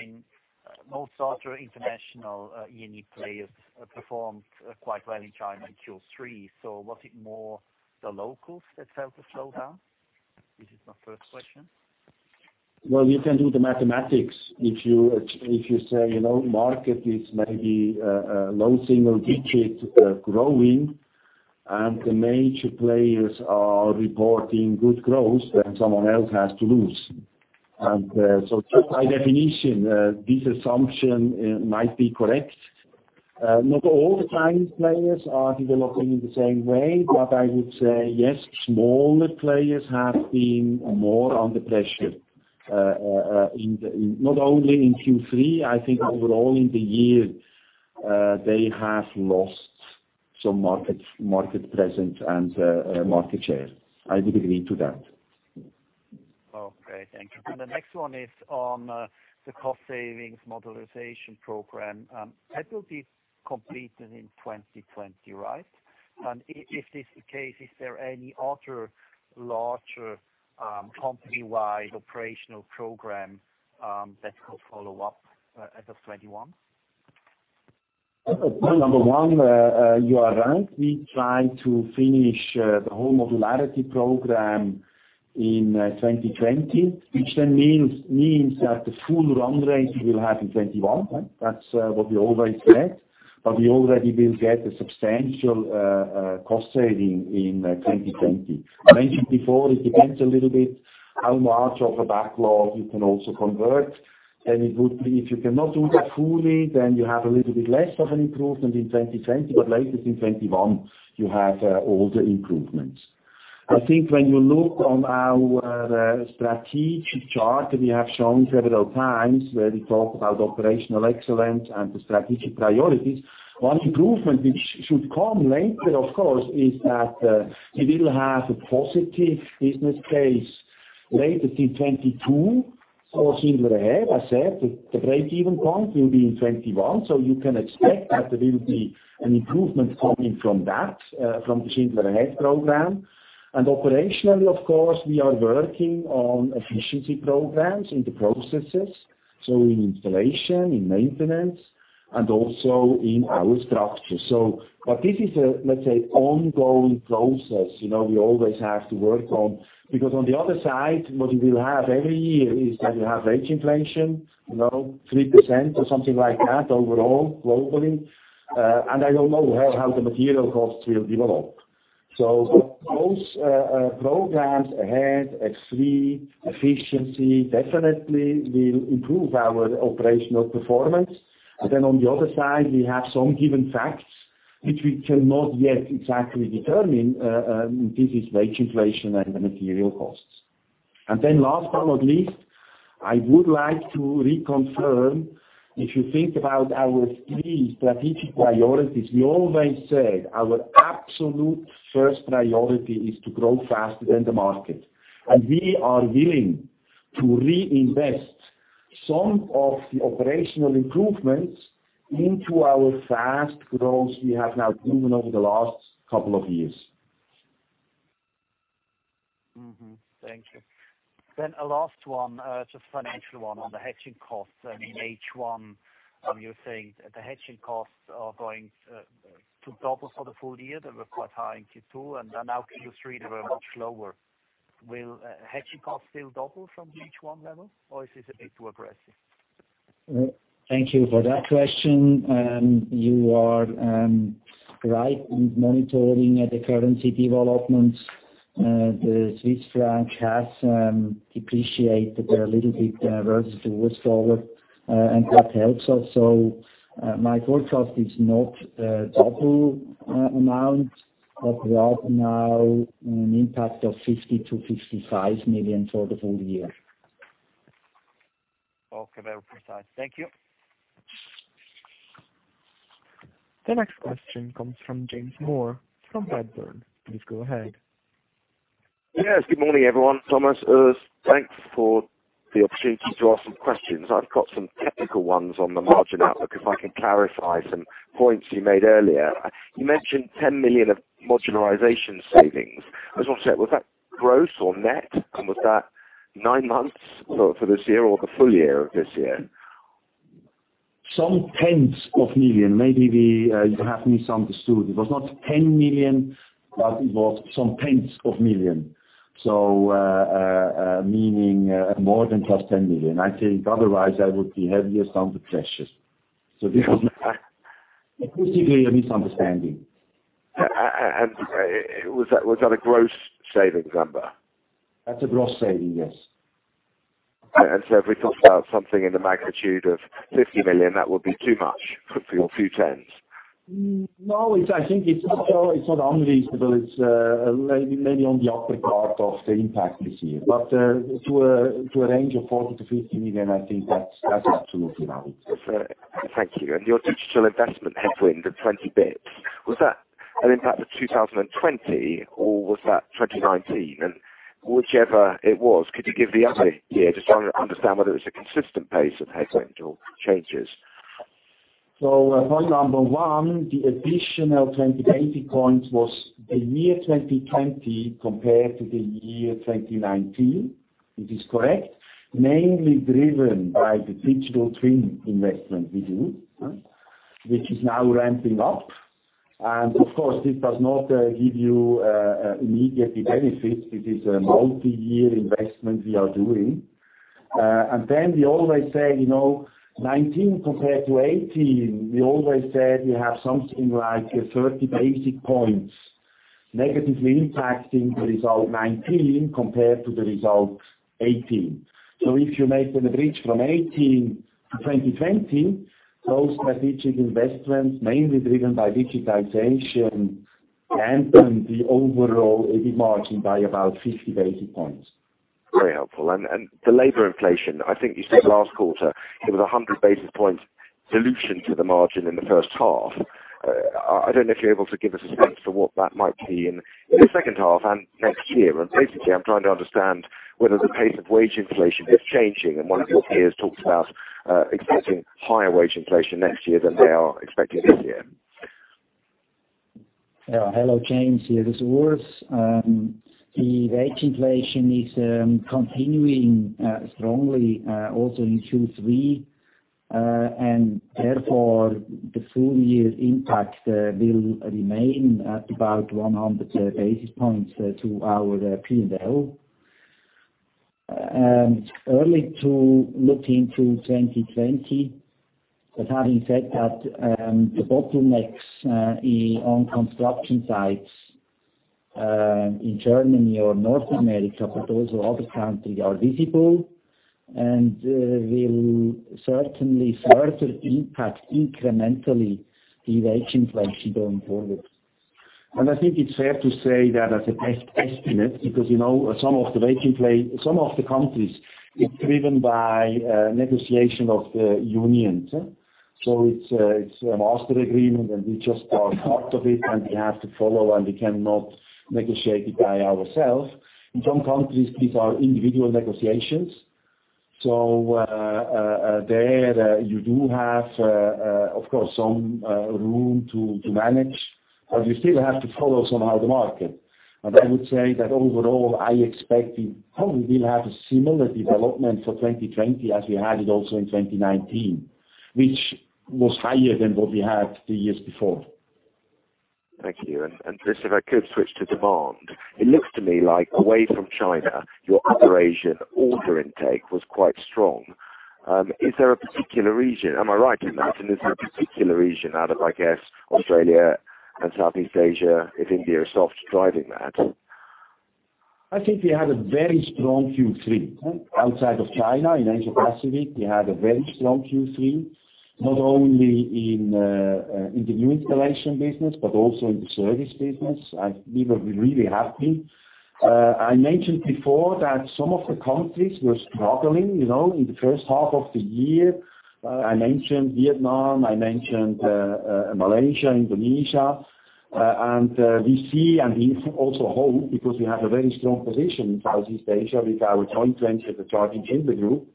most other international uni players performed quite well in China in Q3. Was it more the locals that felt the slowdown? This is my first question. Well, you can do the mathematics. If you say, market is maybe a low single digit growing, and the major players are reporting good growth, then someone else has to lose. Just by definition, this assumption might be correct. Not all the time players are developing in the same way. I would say yes, smaller players have been more under pressure. Not only in Q3, I think overall in the year, they have lost some market presence and market share. I would agree to that. Okay, thank you. The next one is on the cost savings modernization program. That will be completed in 2020, right? If this is the case, is there any other larger company-wide operational program that could follow up as of 2021? Point number one, you are right. We try to finish the whole modularity program in 2020, which then means that the full run rate we will have in 2021. That's what we always said. We already will get a substantial cost saving in 2020. I mentioned before, it depends a little bit how much of a backlog you can also convert. If you cannot do that fully, then you have a little bit less of an improvement in 2020. Latest in 2021, you have all the improvements. I think when you look on our strategic chart that we have shown several times, where we talk about operational excellence and the strategic priorities, one improvement which should come later, of course, is that we will have a positive business case latest in 2022 for Schindler Ahead. I said the breakeven point will be in 2021. You can expect that there will be an improvement coming from that, from the Schindler Ahead program. Operationally, of course, we are working on efficiency programs in the processes, so in installation, in maintenance, and also in our structure. This is a ongoing process we always have to work on. On the other side, what we will have every year is that we have wage inflation, 3% or something like that overall, globally. I don't know how the material costs will develop. Those programs ahead, S3000, efficiency, definitely will improve our operational performance. On the other side, we have some given facts which we cannot yet exactly determine. This is wage inflation and the material costs. Last but not least, I would like to reconfirm, if you think about our three strategic priorities, we always said our absolute first priority is to grow faster than the market. We are willing to reinvest some of the operational improvements into our fast growth we have now driven over the last couple of years. Thank you. A last one, just a financial one on the hedging costs in H1. You're saying that the hedging costs are going to double for the full year. They were quite high in Q2, and then now Q3, they were much lower. Will hedging costs still double from the H1 level? Is this a bit too aggressive? Thank you for that question. You are right in monitoring the currency developments. The Swiss franc has depreciated a little bit versus the US dollar, and that helps us. My forecast is not double amount, but rather now an impact of 50 million to 55 million for the full year. Okay. Very precise. Thank you. The next question comes from James Moore from Redburn. Please go ahead. Yes, good morning, everyone. Thomas, Urs, thanks for the opportunity to ask some questions. I've got some technical ones on the margin outlook, if I can clarify some points you made earlier. You mentioned 10 million of modularization savings. I just want to check, was that gross or net? Was that nine months for this year or the full year of this year? Some CHF tens of million. Maybe you have misunderstood. It was not 10 million, but it was some CHF tens of million. Meaning more than just 10 million. I think otherwise I would be heavier on the pressures. This is clearly a misunderstanding. Was that a gross savings number? That's a gross saving, yes. If we talked about something in the magnitude of 50 million, that would be too much for your few tens? No, I think it's not unreasonable. It's maybe on the upper part of the impact this year. To a range of 40 million-50 million, I think that is absolutely valid. Thank you. Your digital investment headwind of 20 basis points, was that an impact of 2020 or was that 2019? Whichever it was, could you give the other year? Just trying to understand whether it's a consistent pace of headwind or changes. Point number one, the additional 20 basis points was the year 2020 compared to the year 2019. It is correct. Mainly driven by the digital twin investment we do, which is now ramping up. Of course, it does not give you immediately benefits. It is a multi-year investment we are doing. We always say, 2019 compared to 2018, we always said we have something like 30 basis points negatively impacting the result 2019 compared to the result 2018. If you make the bridge from 2018 to 2020, those strategic investments, mainly driven by digitization, dampen the overall EBIT margin by about 50 basis points. Very helpful. The labor inflation, I think you said last quarter it was 100 basis points dilution to the margin in the first half. I don't know if you're able to give us a sense for what that might be in the second half and next year. Basically, I'm trying to understand whether the pace of wage inflation is changing, and one of your peers talked about expecting higher wage inflation next year than they are expecting this year. Hello, James. This is Urs. The wage inflation is continuing strongly also in Q3, and therefore the full-year impact will remain at about 100 basis points to our P&L. It's early to look into 2020, but having said that, the bottlenecks on construction sites in Germany or North America, but also other countries, are visible, and will certainly further impact incrementally the wage inflation going forward. I think it's fair to say that as a best estimate, because some of the countries, it's driven by negotiation of the unions. It's a master agreement, and we just are part of it, and we have to follow, and we cannot negotiate it by ourselves. In some countries, these are individual negotiations. There, you do have, of course, some room to manage, but you still have to follow somehow the market. I would say that overall, I expect we will have a similar development for 2020 as we had it also in 2019, which was higher than what we had the years before. Thank you. Just if I could switch to demand, it looks to me like away from China, your other Asian order intake was quite strong. Is there a particular region? Am I right in that? Is there a particular region out of, I guess, Australia and Southeast Asia, if India is off driving that? I think we had a very strong Q3 outside of China. In Asia Pacific, we had a very strong Q3, not only in the new installation business, but also in the service business. We were really happy. I mentioned before that some of the countries were struggling in the first half of the year. I mentioned Vietnam, I mentioned Malaysia, Indonesia. We see, and we also hope, because we have a very strong position in Southeast Asia with our joint venture, the Jardine Schindler Group.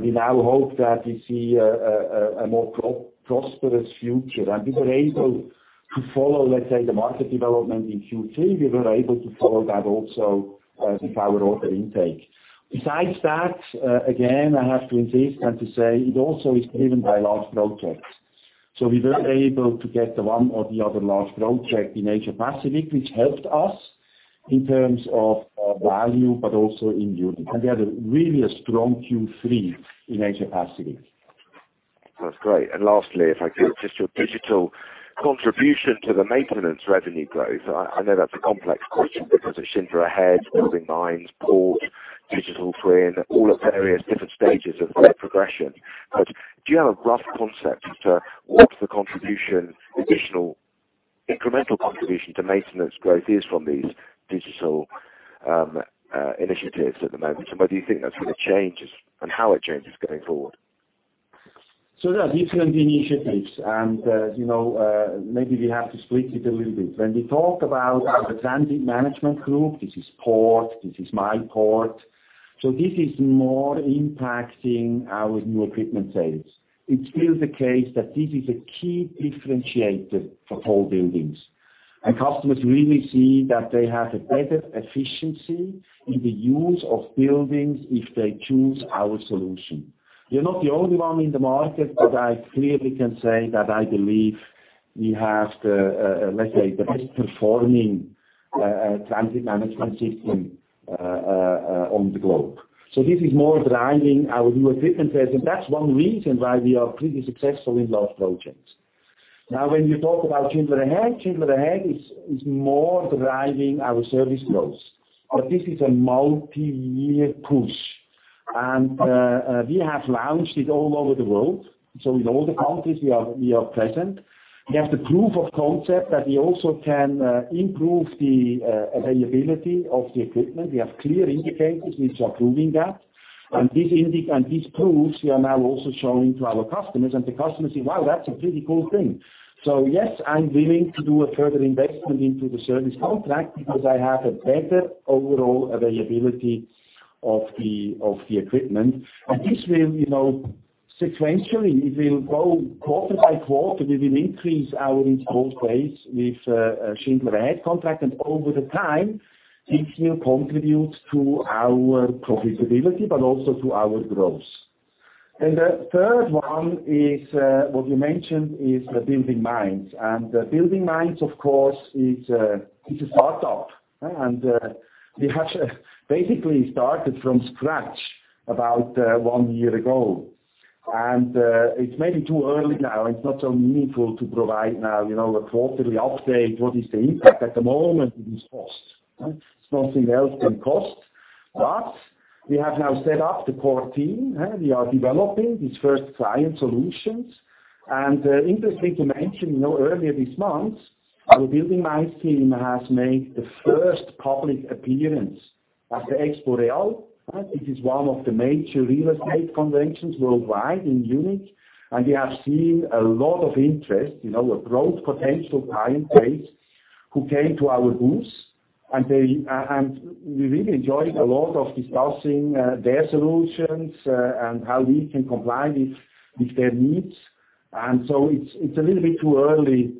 We now hope that we see a more prosperous future. We were able to follow, let's say, the market development in Q3. We were able to follow that also with our order intake. Besides that, again, I have to insist and to say it also is driven by large projects. We were able to get the one or the other large project in Asia Pacific, which helped us in terms of value, but also in unit. We had really a strong Q3 in Asia Pacific. That's great. Lastly, if I could, just your digital contribution to the maintenance revenue growth. I know that's a complex question because it's Schindler Ahead, BuildingMinds, PORT, digital twin, all at various different stages of their progression. Do you have a rough concept as to what the contribution, additional incremental contribution to maintenance growth is from these digital initiatives at the moment? Whether you think that's going to change, and how it changes going forward? There are different initiatives, and maybe we have to split it a little bit. When we talk about our transit management group, this is PORT, this is myPORT. This is more impacting our new equipment sales. It's still the case that this is a key differentiator for tall buildings. Customers really see that they have a better efficiency in the use of buildings if they choose our solution. We are not the only one in the market, but I clearly can say that I believe we have the, let's say, the best performing transit management system on the globe. This is more driving our new equipment sales, and that's one reason why we are pretty successful in large projects. Now, when you talk about Schindler Ahead, Schindler Ahead is more driving our service growth. This is a multi-year push, and we have launched it all over the world. In all the countries we are present, we have the proof of concept that we also can improve the availability of the equipment. We have clear indicators which are proving that. These proofs, we are now also showing to our customers, and the customers say, "Wow, that's a pretty cool thing." Yes, I'm willing to do a further investment into the service contract because I have a better overall availability of the equipment. This will sequentially, it will grow quarter by quarter. We will increase our installed base with Schindler Ahead contract. Over the time, this will contribute to our profitability but also to our growth. The third one is what you mentioned is the BuildingMinds. BuildingMinds, of course, it's a startup. We have basically started from scratch about one year ago. It's maybe too early now. It's not so meaningful to provide now a quarterly update. What is the impact? At the moment, it is cost. It's nothing else than cost. We have now set up the core team. We are developing these first client solutions. Interesting to mention, earlier this month, our BuildingMinds team has made the first public appearance at the EXPO REAL. It is one of the major real estate conventions worldwide in Munich, and we have seen a lot of interest in our growth potential client base who came to our booth. We really enjoyed a lot of discussing their solutions and how we can comply with their needs. It's a little bit too early.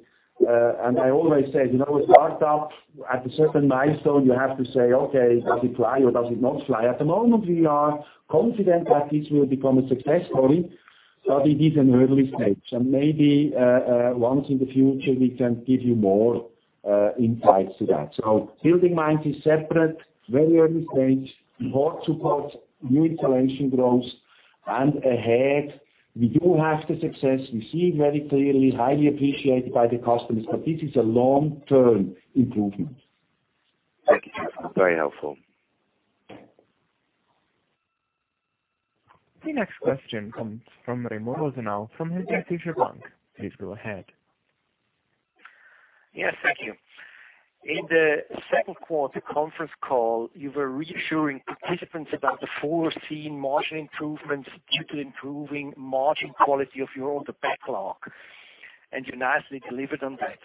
I always say, a startup at a certain milestone, you have to say, "Okay, does it fly or does it not fly?" At the moment, we are confident that this will become a success story, but it is in early stage. Maybe, once in the future, we can give you more insights to that. BuildingMinds is separate, very early stage, more to support new installation growth. AHEAD, we do have the success. We see it very clearly, highly appreciated by the customers, but this is a long-term improvement. Thank you. Very helpful. The next question comes from Remo Rosenau from Helvetische Bank. Please go ahead. Yes. Thank you. In the second quarter conference call, you were reassuring participants about the foreseen margin improvements due to improving margin quality of your order backlog, and you nicely delivered on that.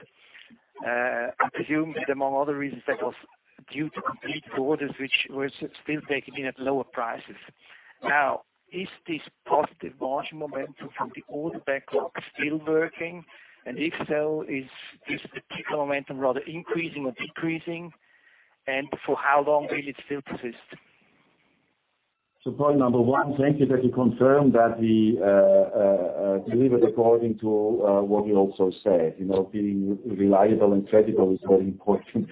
I presume that among other reasons, that was due to complete orders which were still taken in at lower prices. Is this positive margin momentum from the order backlog still working? If so, is the particular momentum rather increasing or decreasing? For how long will it still persist? Point number one, thank you that you confirm that we delivered according to what we also said. Being reliable and credible is very important.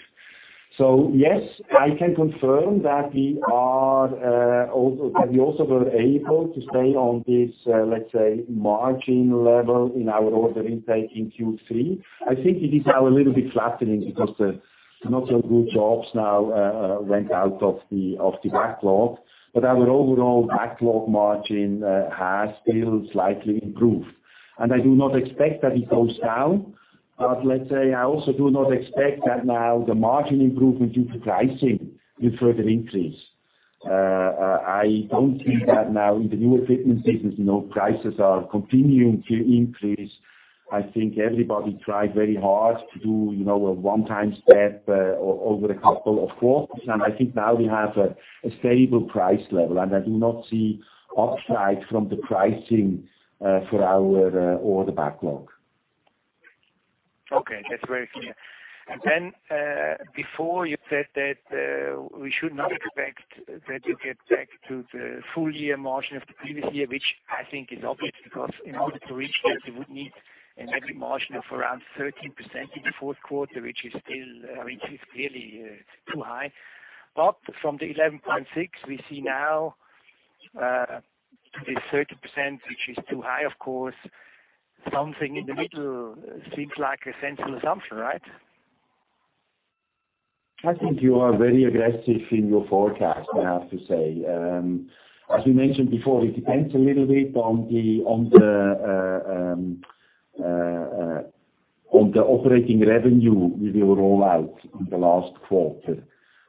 Yes, I can confirm that we also were able to stay on this, let's say, margin level in our order intake in Q3. I think it is now a little bit flattening because the not so good jobs now went out of the backlog. Our overall backlog margin has still slightly improved. I do not expect that it goes down. Let's say, I also do not expect that now the margin improvement due to pricing will further increase. I don't see that now in the new equipment business, prices are continuing to increase. I think everybody tried very hard to do a one-time step over a couple of quarters. I think now we have a stable price level, and I do not see upside from the pricing for our order backlog. Okay. That's very clear. Before you said that we should not expect that you get back to the full year margin of the previous year, which I think is obvious because in order to reach that, you would need an net margin of around 13% in the fourth quarter, which is clearly too high. From the 11.6 we see now, this 13%, which is too high, of course, something in the middle seems like a central assumption, right? I think you are very aggressive in your forecast, I have to say. We mentioned before, it depends a little bit on the operating revenue we will roll out in the last quarter.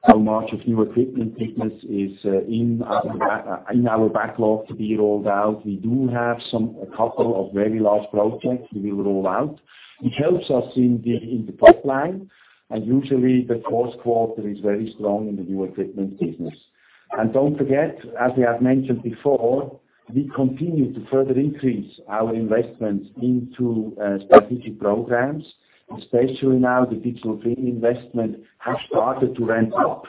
How much of new equipment business is in our backlog to be rolled out. We do have a couple of very large projects we will roll out, which helps us in the pipeline. Usually, the fourth quarter is very strong in the new equipment business. Don't forget, as we have mentioned before, we continue to further increase our investments into strategic programs, especially now the [digital trade] investment has started to ramp up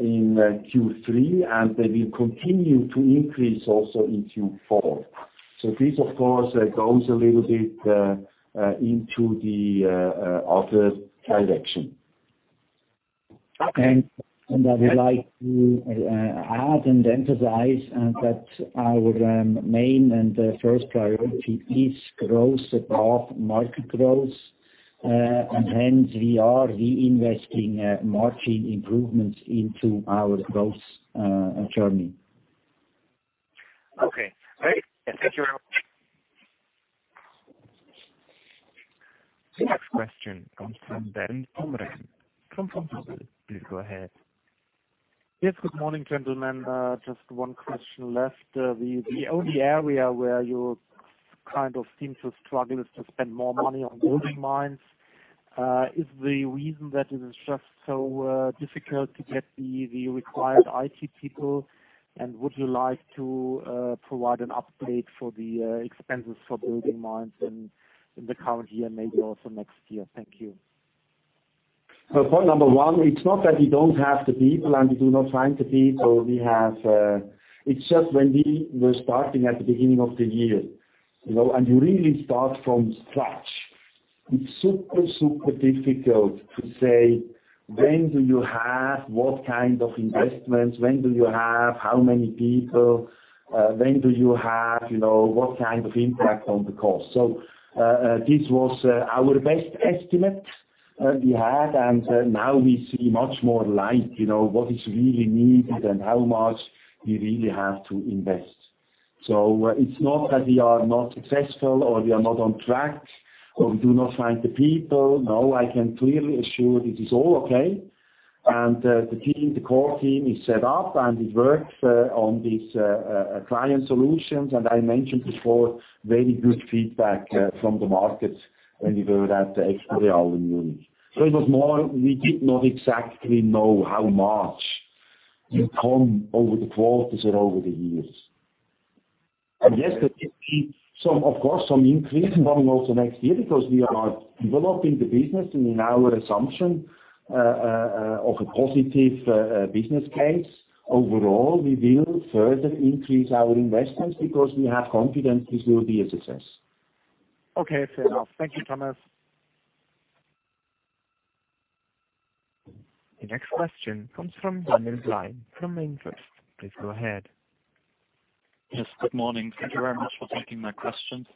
in Q3, and they will continue to increase also in Q4. This, of course, goes a little bit into the other direction. Okay. I would like to add and emphasize that our main and first priority is growth above market growth. Hence, we are reinvesting margin improvements into our growth journey. Okay, great. Thank you very much. The next question comes from Bernd Strompen from Deutsche. Please go ahead. Yes. Good morning, gentlemen. Just one question left. The only area where you kind of seem to struggle is to spend more money on BuildingMinds. Is the reason that it is just so difficult to get the required IT people? Would you like to provide an update for the expenses for BuildingMinds in the current year, maybe also next year? Thank you. Point number 1, it's not that we don't have the people and we do not find the people we have. It's just when we were starting at the beginning of the year, and you really start from scratch, it's super difficult to say, when do you have what kind of investments? When do you have how many people? When do you have what kind of impact on the cost? This was our best estimate we had, and now we see much more light, what is really needed and how much we really have to invest. It's not that we are not successful or we are not on track, or we do not find the people. No, I can clearly assure this is all okay. The core team is set up, and it works on these client solutions. I mentioned before, very good feedback from the markets when we were at the EXPO REAL in Munich. It was more we did not exactly know how much ou come over the quarters and over the years. Yes, there will be, of course, some increase running also next year because we are developing the business and in our assumption of a positive business case overall, we will further increase our investments because we have confidence this will be a success. Okay, fair enough. Thank you, Thomas. The next question comes from Daniel Blind from Bank Vontobel. Please go ahead. Yes, good morning. Thank you very much for taking my questions.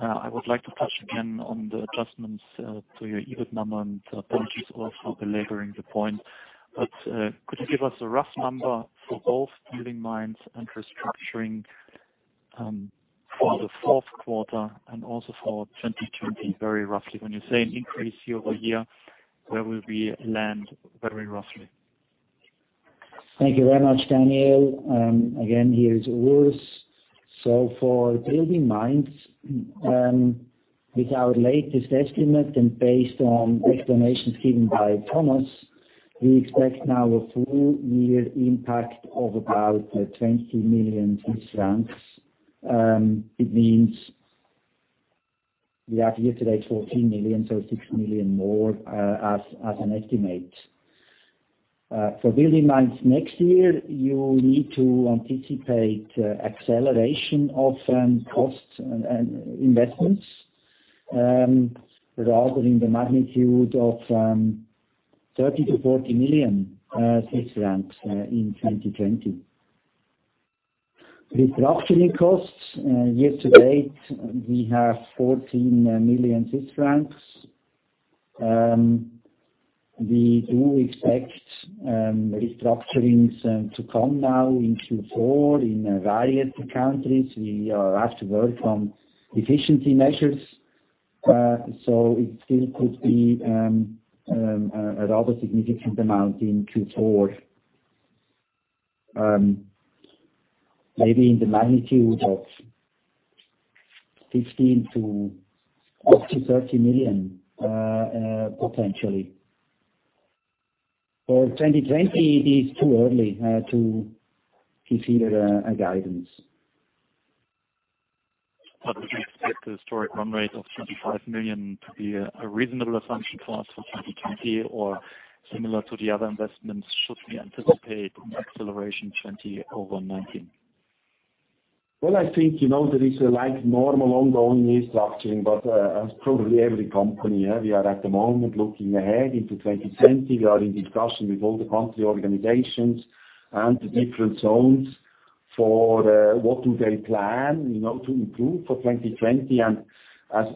I would like to touch again on the adjustments to your EBIT number, apologies also for belaboring the point. Could you give us a rough number for both BuildingMinds and restructuring for the fourth quarter and also for 2020, very roughly? When you say an increase year-over-year, where will we land very roughly? Thank you very much, Daniel. Again, here is Urs. For BuildingMinds, with our latest estimate and based on the explanations given by Thomas, we expect now a full-year impact of about 20 million Swiss francs. It means we have year-to-date 14 million, so 6 million more as an estimate. For BuildingMinds next year, you need to anticipate acceleration of costs and investments, rather in the magnitude of 30 million-40 million Swiss francs in 2020. Restructuring costs year-to-date, we have 14 million francs. We do expect restructurings to come now in Q4 in various countries. We are at work on efficiency measures. It still could be a rather significant amount in Q4. Maybe in the magnitude of 15 million to up to 30 million, potentially. For 2020, it is too early to consider a guidance. Would you expect the historic run rate of 25 million to be a reasonable assumption for us for 2020? Similar to the other investments, should we anticipate an acceleration 2020 over 2019? Well, I think there is a light normal ongoing restructuring, but as probably every company, we are at the moment looking ahead into 2020. We are in discussion with all the country organizations and the different zones for what do they plan to improve for 2020. As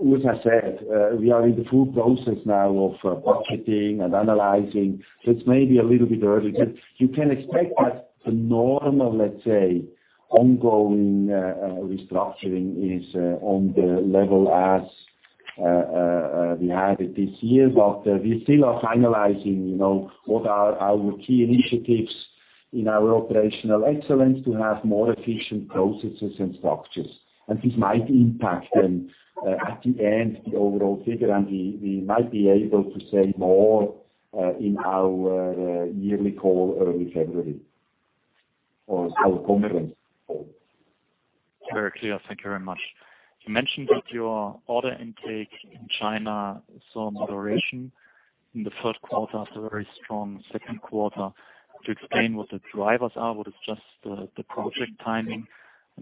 Urs has said, we are in the full process now of budgeting and analyzing. It's maybe a little bit early. You can expect that the normal, let's say, ongoing restructuring is on the level as we had it this year. We still are finalizing what are our key initiatives in our operational excellence to have more efficient processes and structures. This might impact them at the end, the overall figure, and we might be able to say more in our yearly call early February for our conference call. Very clear. Thank you very much. You mentioned that your order intake in China saw a moderation in the third quarter after a very strong second quarter. Could you explain what the drivers are? What is just the project timing?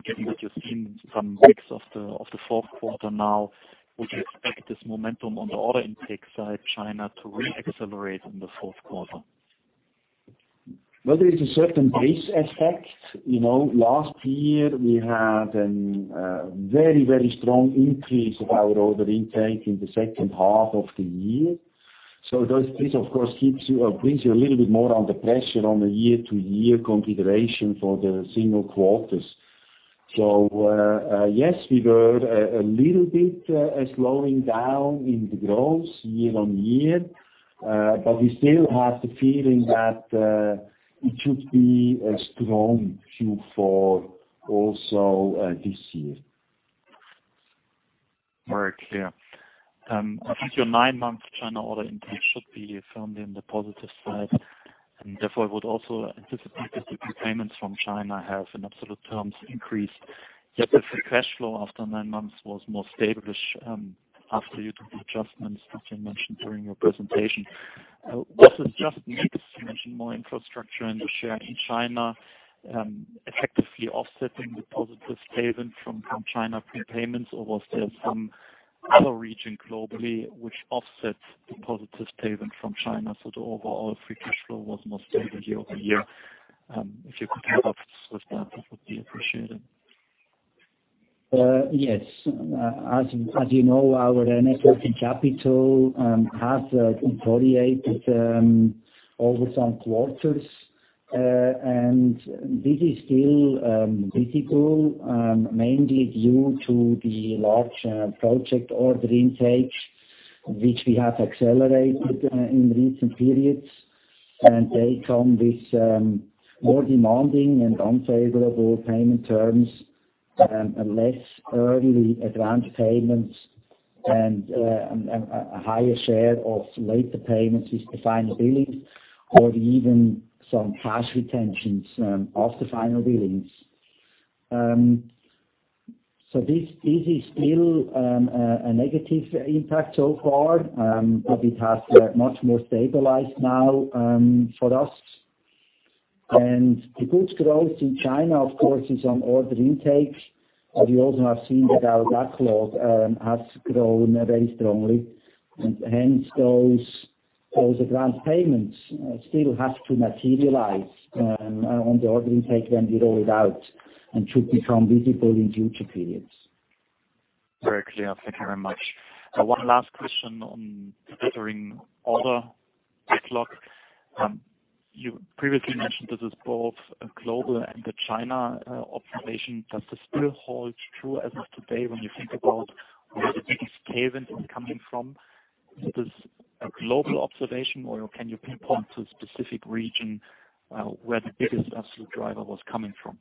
Given that you've seen some mix of the fourth quarter now, would you expect this momentum on the order intake side, China, to re-accelerate in the fourth quarter? Well, there is a certain base effect. Last year, we had a very strong increase of our order intake in the second half of the year. This, of course, brings you a little bit more under pressure on the year-to-year consideration for the single quarters. Yes, we were a little bit slowing down in the growth year-on-year, but we still have the feeling that it should be a strong Q4 also this year. Very clear. I think your nine-month China order intake should be firmly on the positive side, and therefore I would also anticipate that the prepayments from China have in absolute terms increased. Yet the free cash flow after nine months was more established after you did the adjustments that you mentioned during your presentation. Was this just a mix? You mentioned more infrastructure and share in China effectively offsetting the positive statement from China prepayments, or was there some other region globally which offsets the positive statement from China, so the overall free cash flow was more stable year-over-year? If you could help us with that would be appreciated. Yes. As you know, our net working capital has deteriorated over some quarters. This is still critical, mainly due to the large project order intake, which we have accelerated in recent periods. They come with more demanding and unfavorable payment terms and less early advance payments. A higher share of later payments is the final billing, or even some cash retentions of the final billings. This is still a negative impact so far, but it has much more stabilized now for us. The good growth in China, of course, is on order intake. We also have seen that our backlog has grown very strongly, and hence those advance payments still have to materialize on the order intake when we roll it out, and should become visible in future periods. Very clear. Thank you very much. One last question on Schindler order backlog. You previously mentioned this is both a global and a China observation. Does this still hold true as of today when you think about where the biggest cave-in is coming from? Is it a global observation, or can you pinpoint a specific region where the biggest absolute driver was coming from?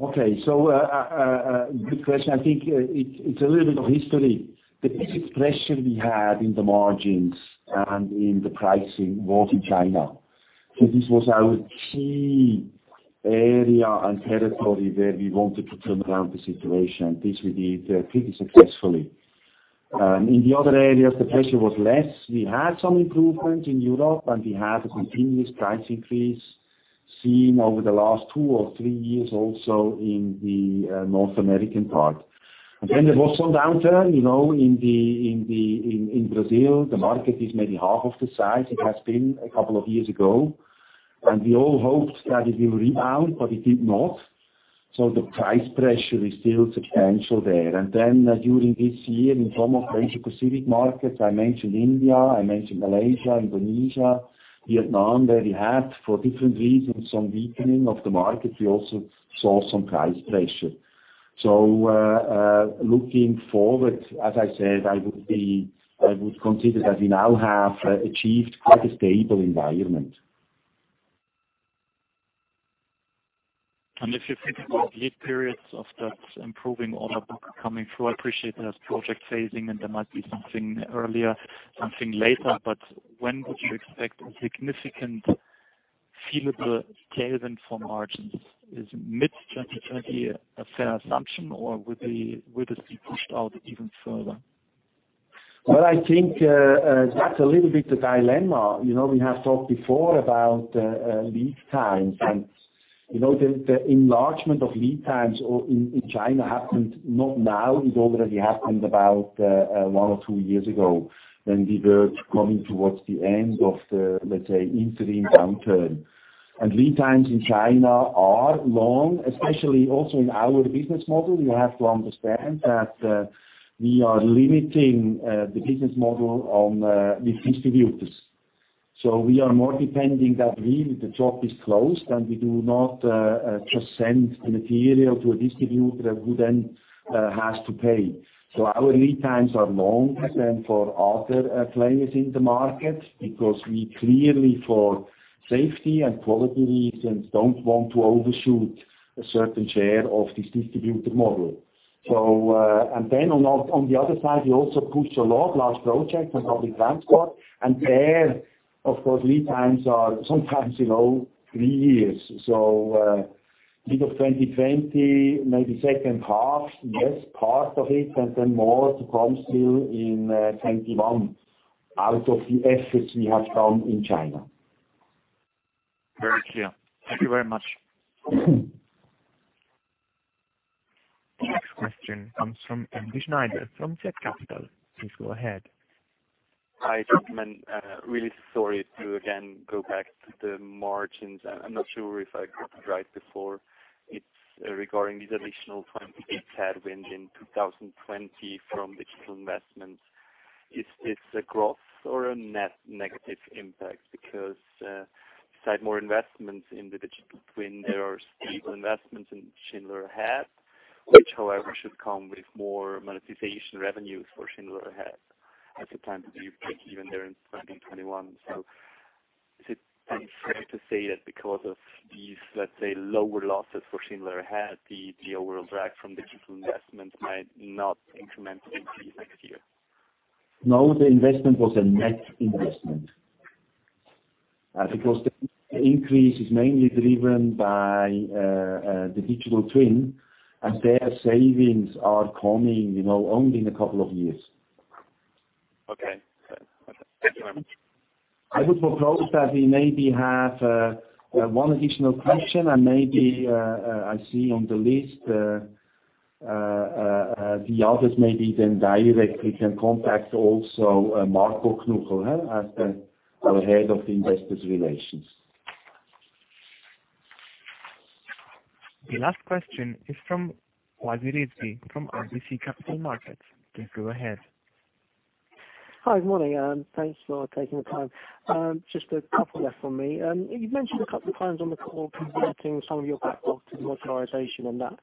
Okay. Good question. I think it's a little bit of history. The biggest pressure we had in the margins and in the pricing was in China. This was our key area and territory where we wanted to turn around the situation. This we did pretty successfully. In the other areas, the pressure was less. We had some improvement in Europe. We had a continuous price increase seen over the last two or three years also in the North American part. There was some downturn in Brazil, the market is maybe half of the size it has been a couple of years ago. We all hoped that it will rebound, but it did not. The price pressure is still substantial there. During this year, in some of the Asia Pacific markets, I mentioned India, I mentioned Malaysia, Indonesia, Vietnam, where we had, for different reasons, some weakening of the market. We also saw some price pressure. Looking forward, as I said, I would consider that we now have achieved quite a stable environment. If you think about lead periods of that improving order book coming through, I appreciate there's project phasing and there might be something earlier, something later. When would you expect a significant feel of the tailwind for margins? Is mid-2020 a fair assumption, or would this be pushed out even further? Well, I think that's a little bit the dilemma. We have talked before about lead times. The enlargement of lead times in China happened not now. It already happened about one or two years ago when we were coming towards the end of the, let's say, interim downturn. Lead times in China are long, especially also in our business model. You have to understand that we are limiting the business model on the distributors. We are more depending that really the job is closed, and we do not just send the material to a distributor who then has to pay. Our lead times are longer than for other players in the market because we clearly for safety and quality reasons, don't want to overshoot a certain share of this distributor model. On the other side, we also pushed a lot large projects on public transport. There, of course, lead times are sometimes three years. Bit of 2020, maybe second half, yes, part of it, and then more to come still in 2021 out of the efforts we have done in China. Very clear. Thank you very much. The next question comes from [Andy Schneider] from [Jet Capital]. Please go ahead. Hi, gentlemen. Really sorry to again go back to the margins. I'm not sure if I got it right before. It's regarding this additional 28 headwind in 2020 from digital investments. Is this a gross or a net negative impact? Beside more investments in the digital twin, there are stable investments in Schindler Ahead, which, however, should come with more monetization revenues for Schindler Ahead as the plan to be breakeven there in 2021. Is it fair to say that because of these, let's say, lower losses for Schindler Ahead, the overall drag from digital investment might not incrementally increase next year? No, the investment was a net investment. The increase is mainly driven by the digital twin, and their savings are coming only in a couple of years. Okay. Thank you very much. I would propose that we maybe have one additional question, and maybe I see on the list, the others maybe then directly can contact also Marco Knuchel as the Head of Investor Relations. The last question is from Wajid Rizvi from RBC Capital Markets. Please go ahead. Hi, good morning. Thanks for taking the time. Just a couple left from me. You've mentioned a couple of times on the call converting some of your backlog to modernization and that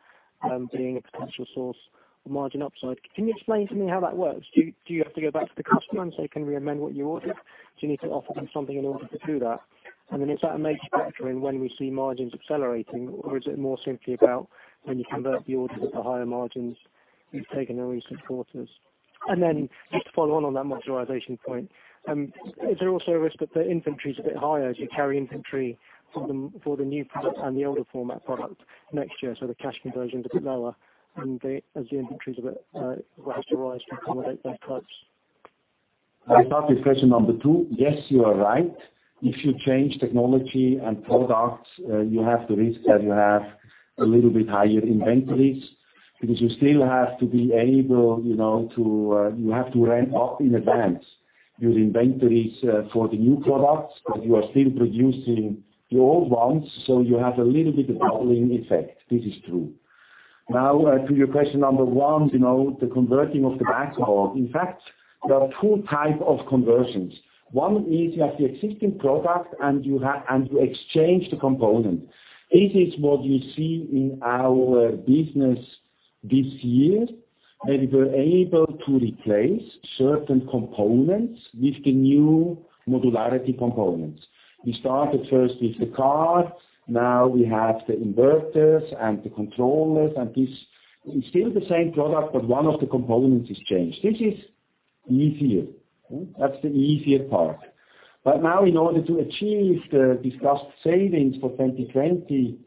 being a potential source of margin upside. Can you explain to me how that works? Do you have to go back to the customer and say, "Can we amend what you ordered?" Do you need to offer them something in order to do that? Then is that a major factor in when we see margins accelerating, or is it more simply about when you convert the orders at the higher margins you've taken in recent quarters. Just to follow on that modularization point, is there also a risk that the inventory is a bit higher as you carry inventory for the new product and the older format product next year, so the cash conversion is a bit lower as the inventories have to rise to accommodate both types? I start with question number 2. Yes, you are right. If you change technology and products, you have the risk that you have a little bit higher inventories, because you still have to ramp up in advance your inventories for the new products. You are still producing the old ones, so you have a little bit of doubling effect. This is true. Now, to your question number 1, the converting of the backlog. In fact, there are 2 type of conversions. One is you have the existing product, and you exchange the component. It is what you see in our business this year, that we were able to replace certain components with the new modularity components. We started first with the cars, now we have the inverters and the controllers. This is still the same product, but one of the components is changed. This is easier. That's the easier part. Now in order to achieve the discussed savings for 2020,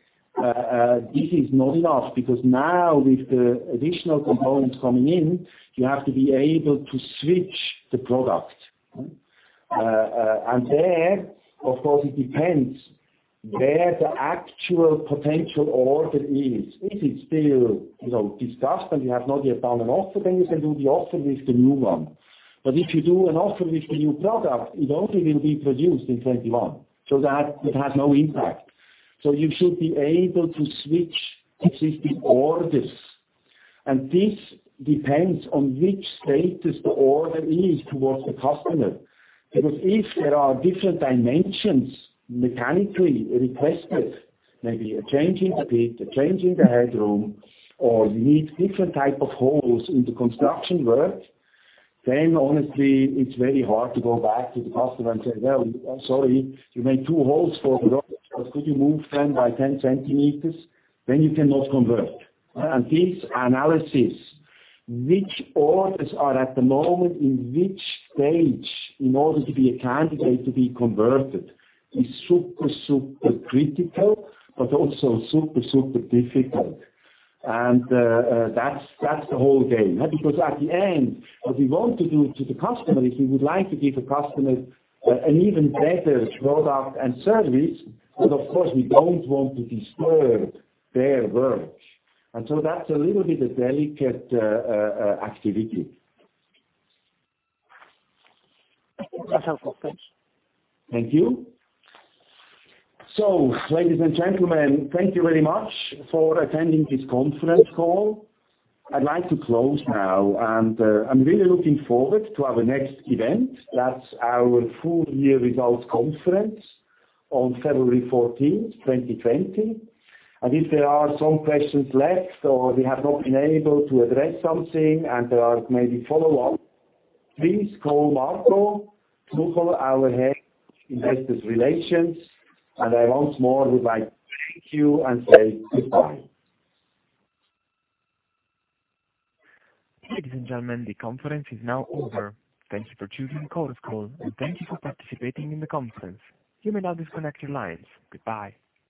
this is not enough, because now with the additional components coming in, you have to be able to switch the product. There, of course, it depends where the actual potential order is. If it's still discussed, and you have not yet done an offer, then you can do the offer with the new one. If you do an offer with the new product, it won't even be produced in 2021. That it has no impact. You should be able to switch existing orders. This depends on which status the order is towards the customer. If there are different dimensions mechanically requested, maybe a change in the pit, a change in the headroom, or you need different type of holes in the construction work, then honestly, it's very hard to go back to the customer and say, "Well, I'm sorry. You made two holes for the product. Could you move 10 by 10 centimeters?" You cannot convert. This analysis, which orders are at the moment in which stage in order to be a candidate to be converted, is super critical, but also super difficult. That's the whole game. At the end, what we want to do to the customer is we would like to give the customer an even better product and service. Of course, we don't want to disturb their work. That's a little bit a delicate activity. That's helpful. Thanks. Thank you. Ladies and gentlemen, thank you very much for attending this conference call. I'd like to close now, and I'm really looking forward to our next event. That's our full year results conference on February 14th, 2020. If there are some questions left or we have not been able to address something and there are maybe follow ups, please call Marco Knuchel, our Head Investor Relations. I once more would like to thank you and say goodbye. Ladies and gentlemen, the conference is now over. Thank you for choosing Chorus Call, and thank you for participating in the conference. You may now disconnect your lines. Goodbye